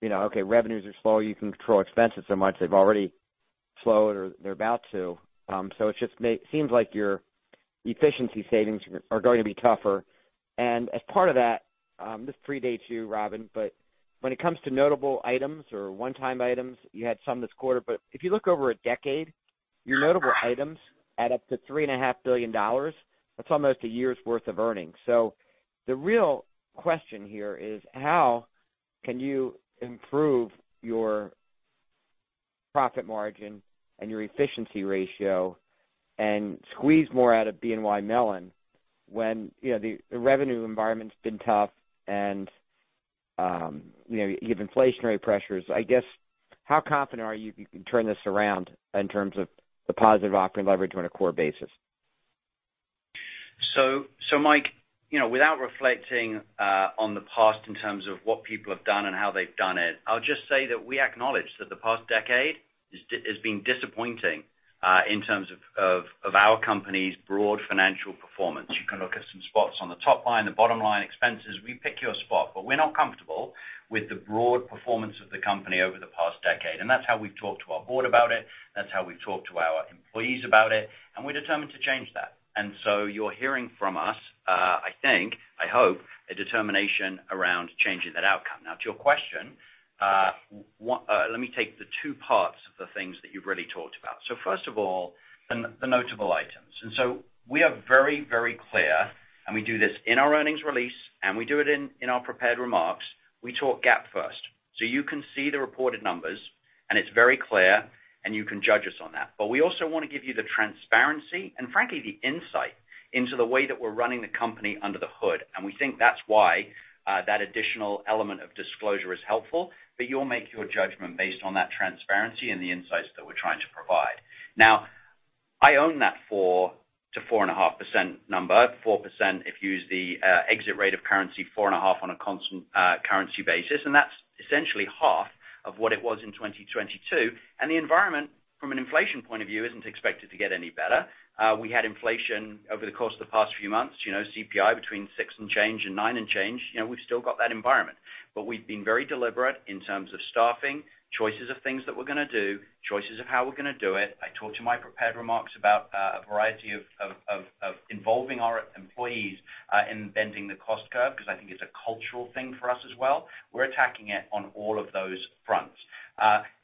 you know, okay, revenues are slow, you can control expenses so much. They've already slowed or they're about to. It just seems like your efficiency savings are going to be tougher. As part of that, this predate you, Robin, but when it comes to notable items or one-time items, you had some this quarter, but if you look over a decade, your notable items add up to $3.5 billion. That's almost a year's worth of earnings. The real question here is how can you improve your profit margin and your efficiency ratio and squeeze more out of BNY Mellon when, you know, the revenue environment's been tough and, you know, you have inflationary pressures. I guess, how confident are you that you can turn this around in terms of the positive operating leverage on a core basis? Mike, you know, without reflecting on the past in terms of what people have done and how they've done it, I'll just say that we acknowledge that the past decade has been disappointing in terms of our company's broad financial performance. You can look at some spots on the top line, the bottom line, expenses. We pick your spot, but we're not comfortable with the broad performance of the company over the past decade. That's how we've talked to our board about it. That's how we've talked to our employees about it, and we're determined to change that. You're hearing from us, I think, I hope, a determination around changing that outcome. To your question, let me take the 2 parts of the things that you've really talked about. First of all, the notable items. We are very, very clear, and we do this in our earnings release, and we do it in our prepared remarks. We talk GAAP first. You can see the reported numbers, and it's very clear, and you can judge us on that. We also wanna give you the transparency and frankly, the insight into the way that we're running the company under the hood. We think that's why that additional element of disclosure is helpful, but you'll make your judgment based on that transparency and the insights that we're trying to provide. Now, I own that 4% to 4.5% number. 4% if you use the exit rate of currency, 4.5% on a constant currency basis, and that's essentially half of what it was in 2022. The environment from an inflation point of view isn't expected to get any better. We had inflation over the course of the past few months, you know, CPI between 6 and change and 9 and change. You know, we've still got that environment. We've been very deliberate in terms of staffing, choices of things that we're gonna do, choices of how we're gonna do it. I talked to my prepared remarks about a variety of involving our employees in bending the cost curve because I think it's a cultural thing for us as well. We're attacking it on all of those fronts.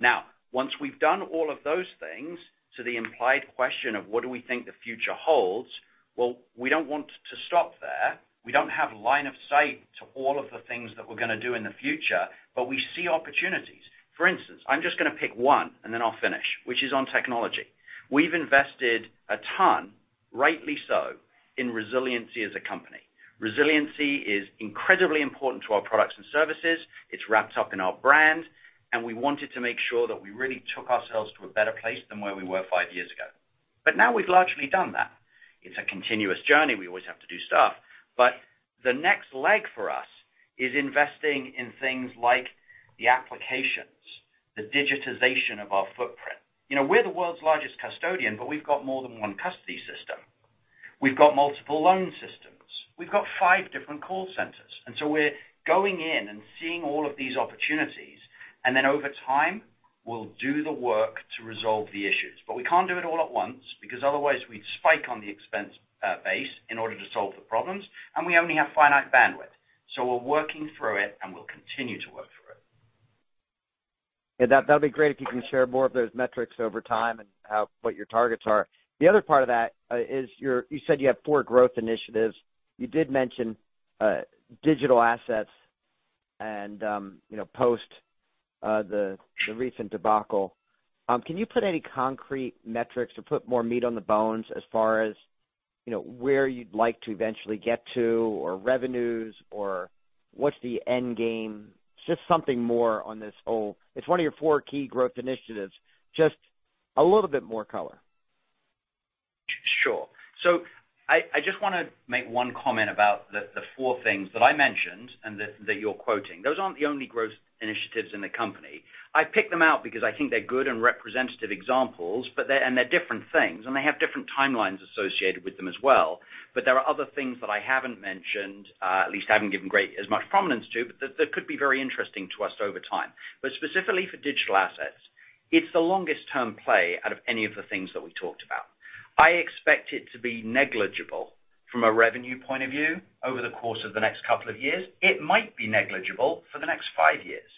Now, once we've done all of those things, to the implied question of what do we think the future holds, well, we don't want to stop there. We don't have line of sight to all of the things that we're gonna do in the future, but we see opportunities. For instance, I'm just gonna pick one and then I'll finish, which is on technology. We've invested a ton, rightly so, in resiliency as a company. Resiliency is incredibly important to our products and services. It's wrapped up in our brand, and we wanted to make sure that we really took ourselves to a better place than where we were five years ago. Now we've largely done that. It's a continuous journey. We always have to do stuff. The next leg for us is investing in things like the applications, the digitization of our footprint. You know, we're the world's largest custodian. We've got more than one custody system. We've got multiple loan systems. We've got five different call centers. We're going in and seeing all of these opportunities, and then over time, we'll do the work to resolve the issues. We can't do it all at once because otherwise we'd spike on the expense base in order to solve the problems, and we only have finite bandwidth. We're working through it, and we'll continue to work through it. Yeah, that'd be great if you can share more of those metrics over time and what your targets are. The other part of that, you said you have 4 growth initiatives. You did mention digital assets and, you know, post the recent debacle. Can you put any concrete metrics or put more meat on the bones as far as, you know, where you'd like to eventually get to or revenues or what's the end game? Just something more on this whole. It's one of your 4 key growth initiatives. Just a little bit more color. I just wanna make one comment about the four things that I mentioned and that you're quoting. Those aren't the only growth initiatives in the company. I picked them out because I think they're good and representative examples, and they're different things, and they have different timelines associated with them as well. There are other things that I haven't mentioned, at least haven't given great as much prominence to, but that could be very interesting to us over time. Specifically for digital assets, it's the longest term play out of any of the things that we talked about. I expect it to be negligible from a revenue point of view over the course of the next couple of years. It might be negligible for the next five years.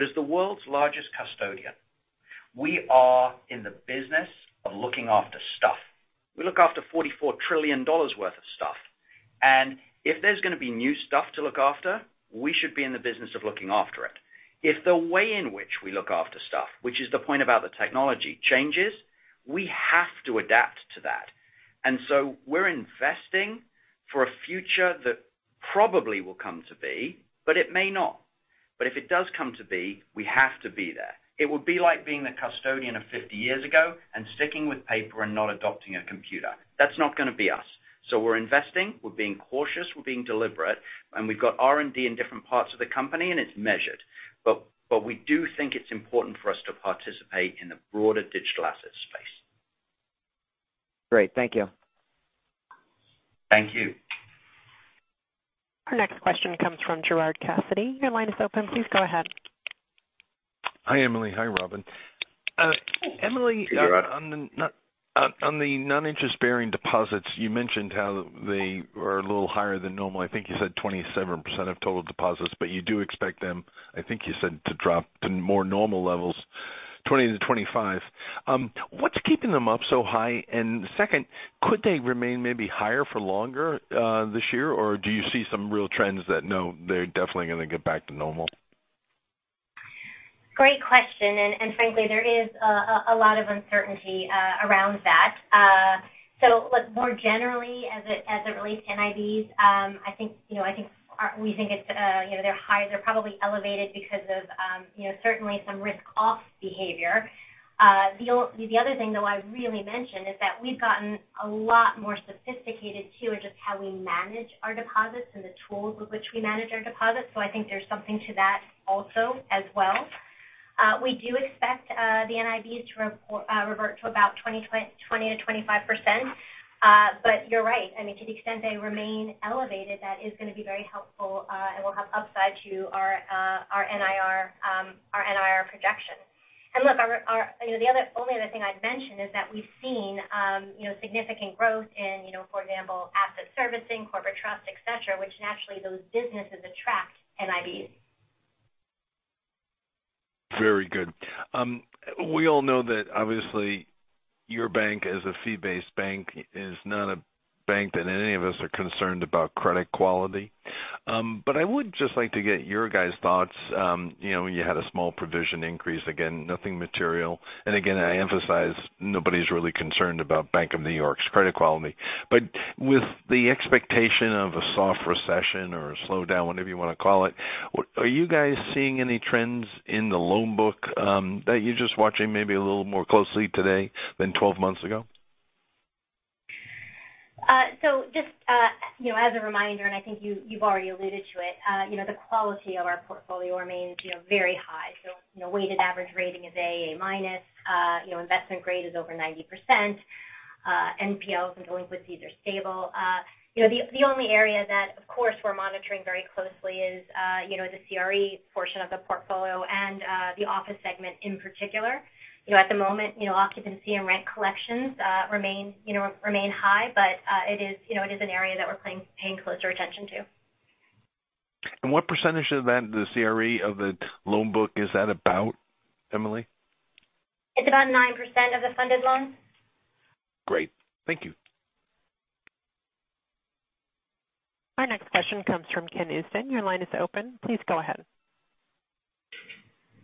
As the world's largest custodian, we are in the business of looking after stuff. We look after $44 trillion worth of stuff. If there's gonna be new stuff to look after, we should be in the business of looking after it. If the way in which we look after stuff, which is the point about the technology changes, we have to adapt to that. We're investing for a future that probably will come to be, but it may not. If it does come to be, we have to be there. It would be like being the custodian of 50 years ago and sticking with paper and not adopting a computer. That's not gonna be us. We're investing, we're being cautious, we're being deliberate, and we've got R&D in different parts of the company, and it's measured. We do think it's important for us to participate in the broader digital asset space. Great. Thank you. Thank you. Our next question comes from Gerard Cassidy. Your line is open. Please go ahead. Hi, Emily. Hi, Robin. Emily. Hey, Gerard. On the non-interest-bearing deposits, you mentioned how they are a little higher than normal. I think you said 27% of total deposits. You do expect them, I think you said, to drop to more normal levels, 20-25%. What's keeping them up so high? Second, could they remain maybe higher for longer this year? Do you see some real trends that, no, they're definitely gonna get back to normal? Great question. Frankly, there is a lot of uncertainty around that. Look, more generally as it relates to NIBs, I think, you know, we think it's, you know, they're high. They're probably elevated because of, you know, certainly some risk off behavior. The other thing, though, I'd really mention is that we've gotten a lot more sophisticated too, at just how we manage our deposits and the tools with which we manage our deposits. I think there's something to that also as well. We do expect the NIBs to revert to about 20-25%. You're right. I mean, to the extent they remain elevated, that is gonna be very helpful, and will have upside to our NIR projections. Look, our, you know, only other thing I'd mention is that we've seen, you know, significant growth in, you know, for example, asset servicing, corporate trust, et cetera, which naturally those businesses attract NIBs. Very good. We all know that obviously your bank is a fee-based bank. It is not a bank that any of us are concerned about credit quality. I would just like to get your guys' thoughts, you know, you had a small provision increase. Again, nothing material. And again, I emphasize nobody's really concerned about Bank of New York's credit quality. With the expectation of a soft recession or a slowdown, whatever you wanna call it, are you guys seeing any trends in the loan book that you're just watching maybe a little more closely today than 12 months ago? just, you know, as a reminder, and I think you've already alluded to it, you know, the quality of our portfolio remains, you know, very high. you know, weighted average rating is A/A minus, you know, investment grade is over 90%, NPLs and delinquencies are stable. you know, the only area that, of course, we're monitoring very closely is, you know, the CRE portion of the portfolio and the office segment in particular. You know, at the moment, you know, occupancy and rent collections, remain, you know, remain high. it is, you know, it is an area that we're paying closer attention to. What % of that, the CRE of the loan book is that about, Emily? It's about 9% of the funded loans. Great. Thank you. Our next question comes from Ken Usdin. Your line is open. Please go ahead.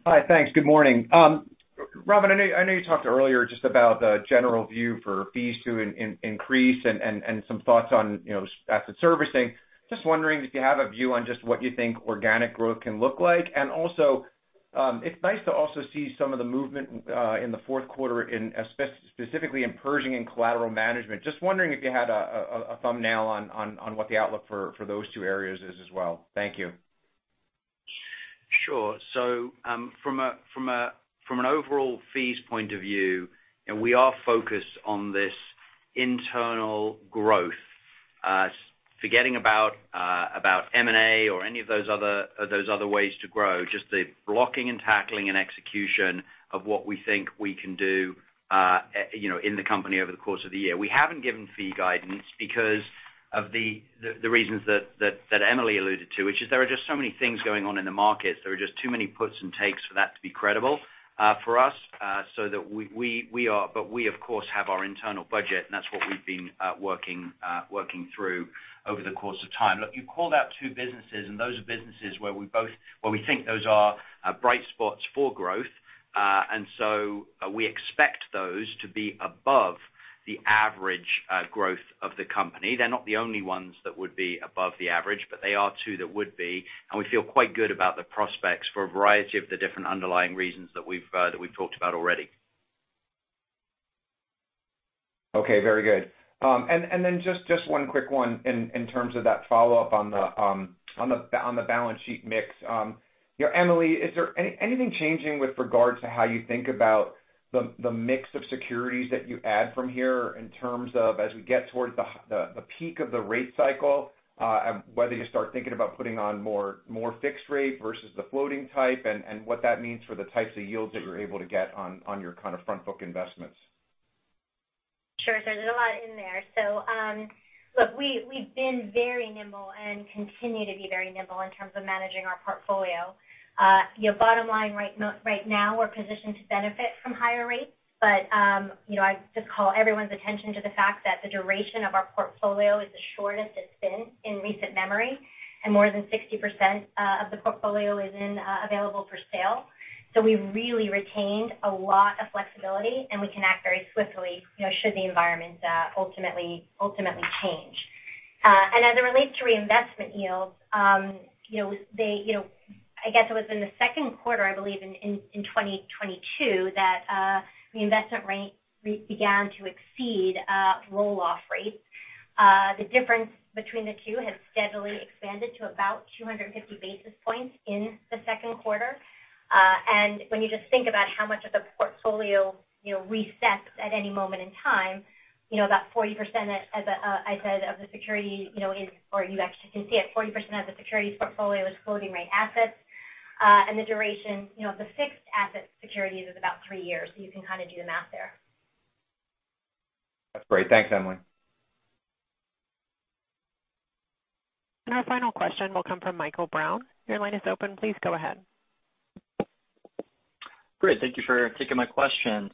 Hi. Thanks. Good morning. Robin, I know, I know you talked earlier just about the general view for fees to increase and some thoughts on, you know, asset servicing. Just wondering if you have a view on just what you think organic growth can look like. Also, it's nice to also see some of the movement in the Q4 specifically in Pershing and collateral management. Just wondering if you had a thumbnail on what the outlook for those two areas is as well? Thank you. Sure. From an overall fees point of view, and we are focused on this internal growth, forgetting about M&A or any of those other ways to grow, just the blocking and tackling and execution of what we think we can do, you know, in the company over the course of the year. We haven't given fee guidance because of the reasons that Emily alluded to, which is there are just so many things going on in the markets. There are just too many puts and takes for that to be credible, for us, so that we are. We, of course, have our internal budget, and that's what we've been working through over the course of time. Look, you called out two businesses, and those are businesses where we think those are bright spots for growth. We expect those to be above the average growth of the company. They're not the only ones that would be above the average, but they are two that would be. We feel quite good about the prospects for a variety of the different underlying reasons that we've talked about already. Okay, very good. Then just one quick one in terms of that follow-up on the balance sheet mix. You know, Emily, is there anything changing with regards to how you think about the mix of securities that you add from here in terms of as we get towards the peak of the rate cycle, whether you start thinking about putting on more fixed rate versus the floating type and what that means for the types of yields that you're able to get on your kind of front book investments? Sure. There's a lot in there. Look, we've been very nimble and continue to be very nimble in terms of managing our portfolio. You know, bottom line right now, we're positioned to benefit from higher rates. You know, I just call everyone's attention to the fact that the duration of our portfolio is the shortest it's been in recent memory, and more than 60% of the portfolio is in available for sale. We've really retained a lot of flexibility, and we can act very swiftly, you know, should the environment ultimately change. And as it relates to reinvestment yields, you know, they, you know, I guess it was in the Q2, I believe, in 2022 that the investment rate began to exceed roll-off rates. The difference between the two has steadily expanded to about 250 basis points in the Q2. When you just think about how much of the portfolio, you know, resets at any moment in time, you know, about 40% as I said, of the security, you know, is, or you actually can see it, 40% of the securities portfolio is floating-rate assets. The duration, you know, of the fixed asset securities is about 3 years, so you can kinda do the math there. That's great. Thanks, Emily. Our final question will come from Michael Brown. Your line is open. Please go ahead. Great. Thank you for taking my questions.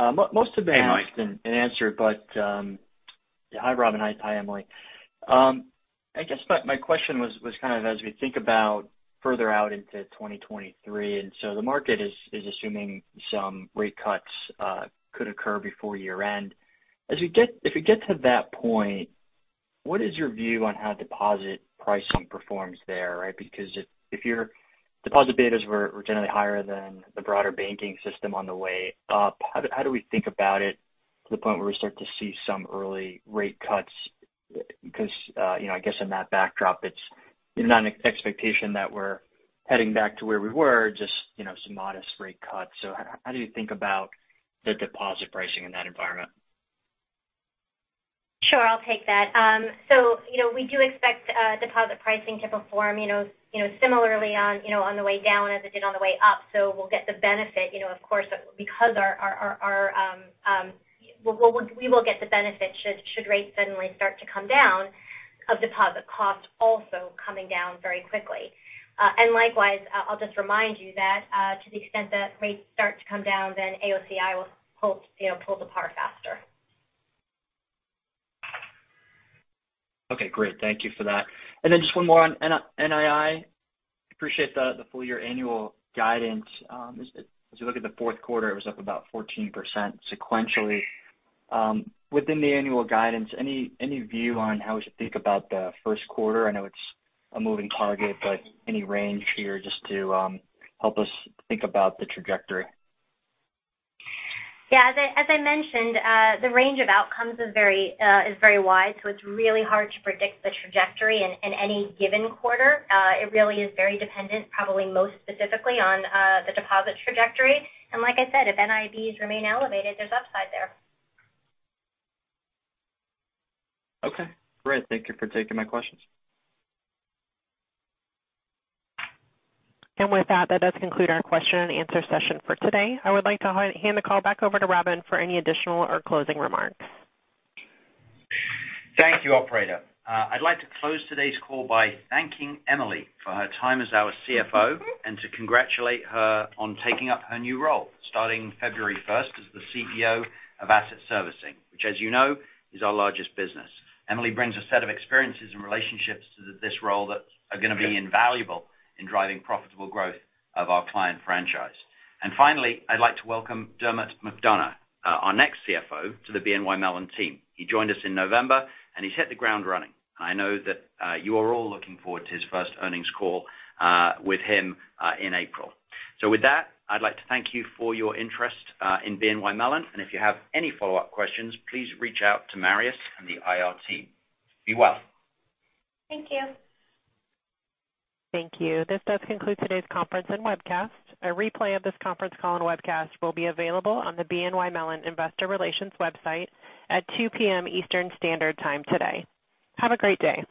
Most of them Hey, Mike. have been asked and answered, but, hi Robin. Hi Emily. I guess my question was kind of as we think about further out into 2023, the market is assuming some rate cuts could occur before year-end. If we get to that point, what is your view on how deposit pricing performs there, right? Because if your deposit betas were generally higher than the broader banking system on the way up, how do we think about it to the point where we start to see some early rate cuts? Because, you know, I guess in that backdrop, it's not an expectation that we're heading back to where we were, just, you know, some modest rate cuts. How do you think about the deposit pricing in that environment? Sure. I'll take that. You know, we do expect deposit pricing to perform, you know, similarly on, you know, on the way down as it did on the way up. We'll get the benefit, you know, of course, because our, we will get the benefit should rates suddenly start to come down of deposit costs also coming down very quickly. Likewise, I'll just remind you that to the extent that rates start to come down, then AOCI will pull, you know, pull the par faster. Okay. Great. Thank you for that. Just one more on NII. Appreciate the full year annual guidance. As we look at the Q4, it was up about 14% sequentially. Within the annual guidance, any view on how we should think about the Q1? I know it's a moving target, but any range here just to help us think about the trajectory? Yeah. As I mentioned, the range of outcomes is very wide, it's really hard to predict the trajectory in any given quarter. It really is very dependent, probably most specifically on the deposit trajectory. Like I said, if NIBs remain elevated, there's upside there. Okay. Great. Thank you for taking my questions. With that does conclude our question and answer session for today. I would like to hand the call back over to Robin for any additional or closing remarks. Thank you, operator. I'd like to close today's call by thanking Emily for her time as our CFO and to congratulate her on taking up her new role starting February 1st as the CEO of asset servicing, which as you know, is our largest business. Emily brings a set of experiences and relationships to this role that are gonna be invaluable in driving profitable growth of our client franchise. Finally, I'd like to welcome Dermot McDonogh, our next CFO, to the BNY Mellon team. He joined us in November. He's hit the ground running. I know that you are all looking forward to his 1st earnings call with him in April. With that, I'd like to thank you for your interest in BNY Mellon. If you have any follow-up questions, please reach out to Marius and the IR team. Be well. Thank you. Thank you. This does conclude today's conference and webcast. A replay of this conference call and webcast will be available on the BNY Mellon investor relations website at 2:00 P.M. Eastern Standard Time today. Have a great day.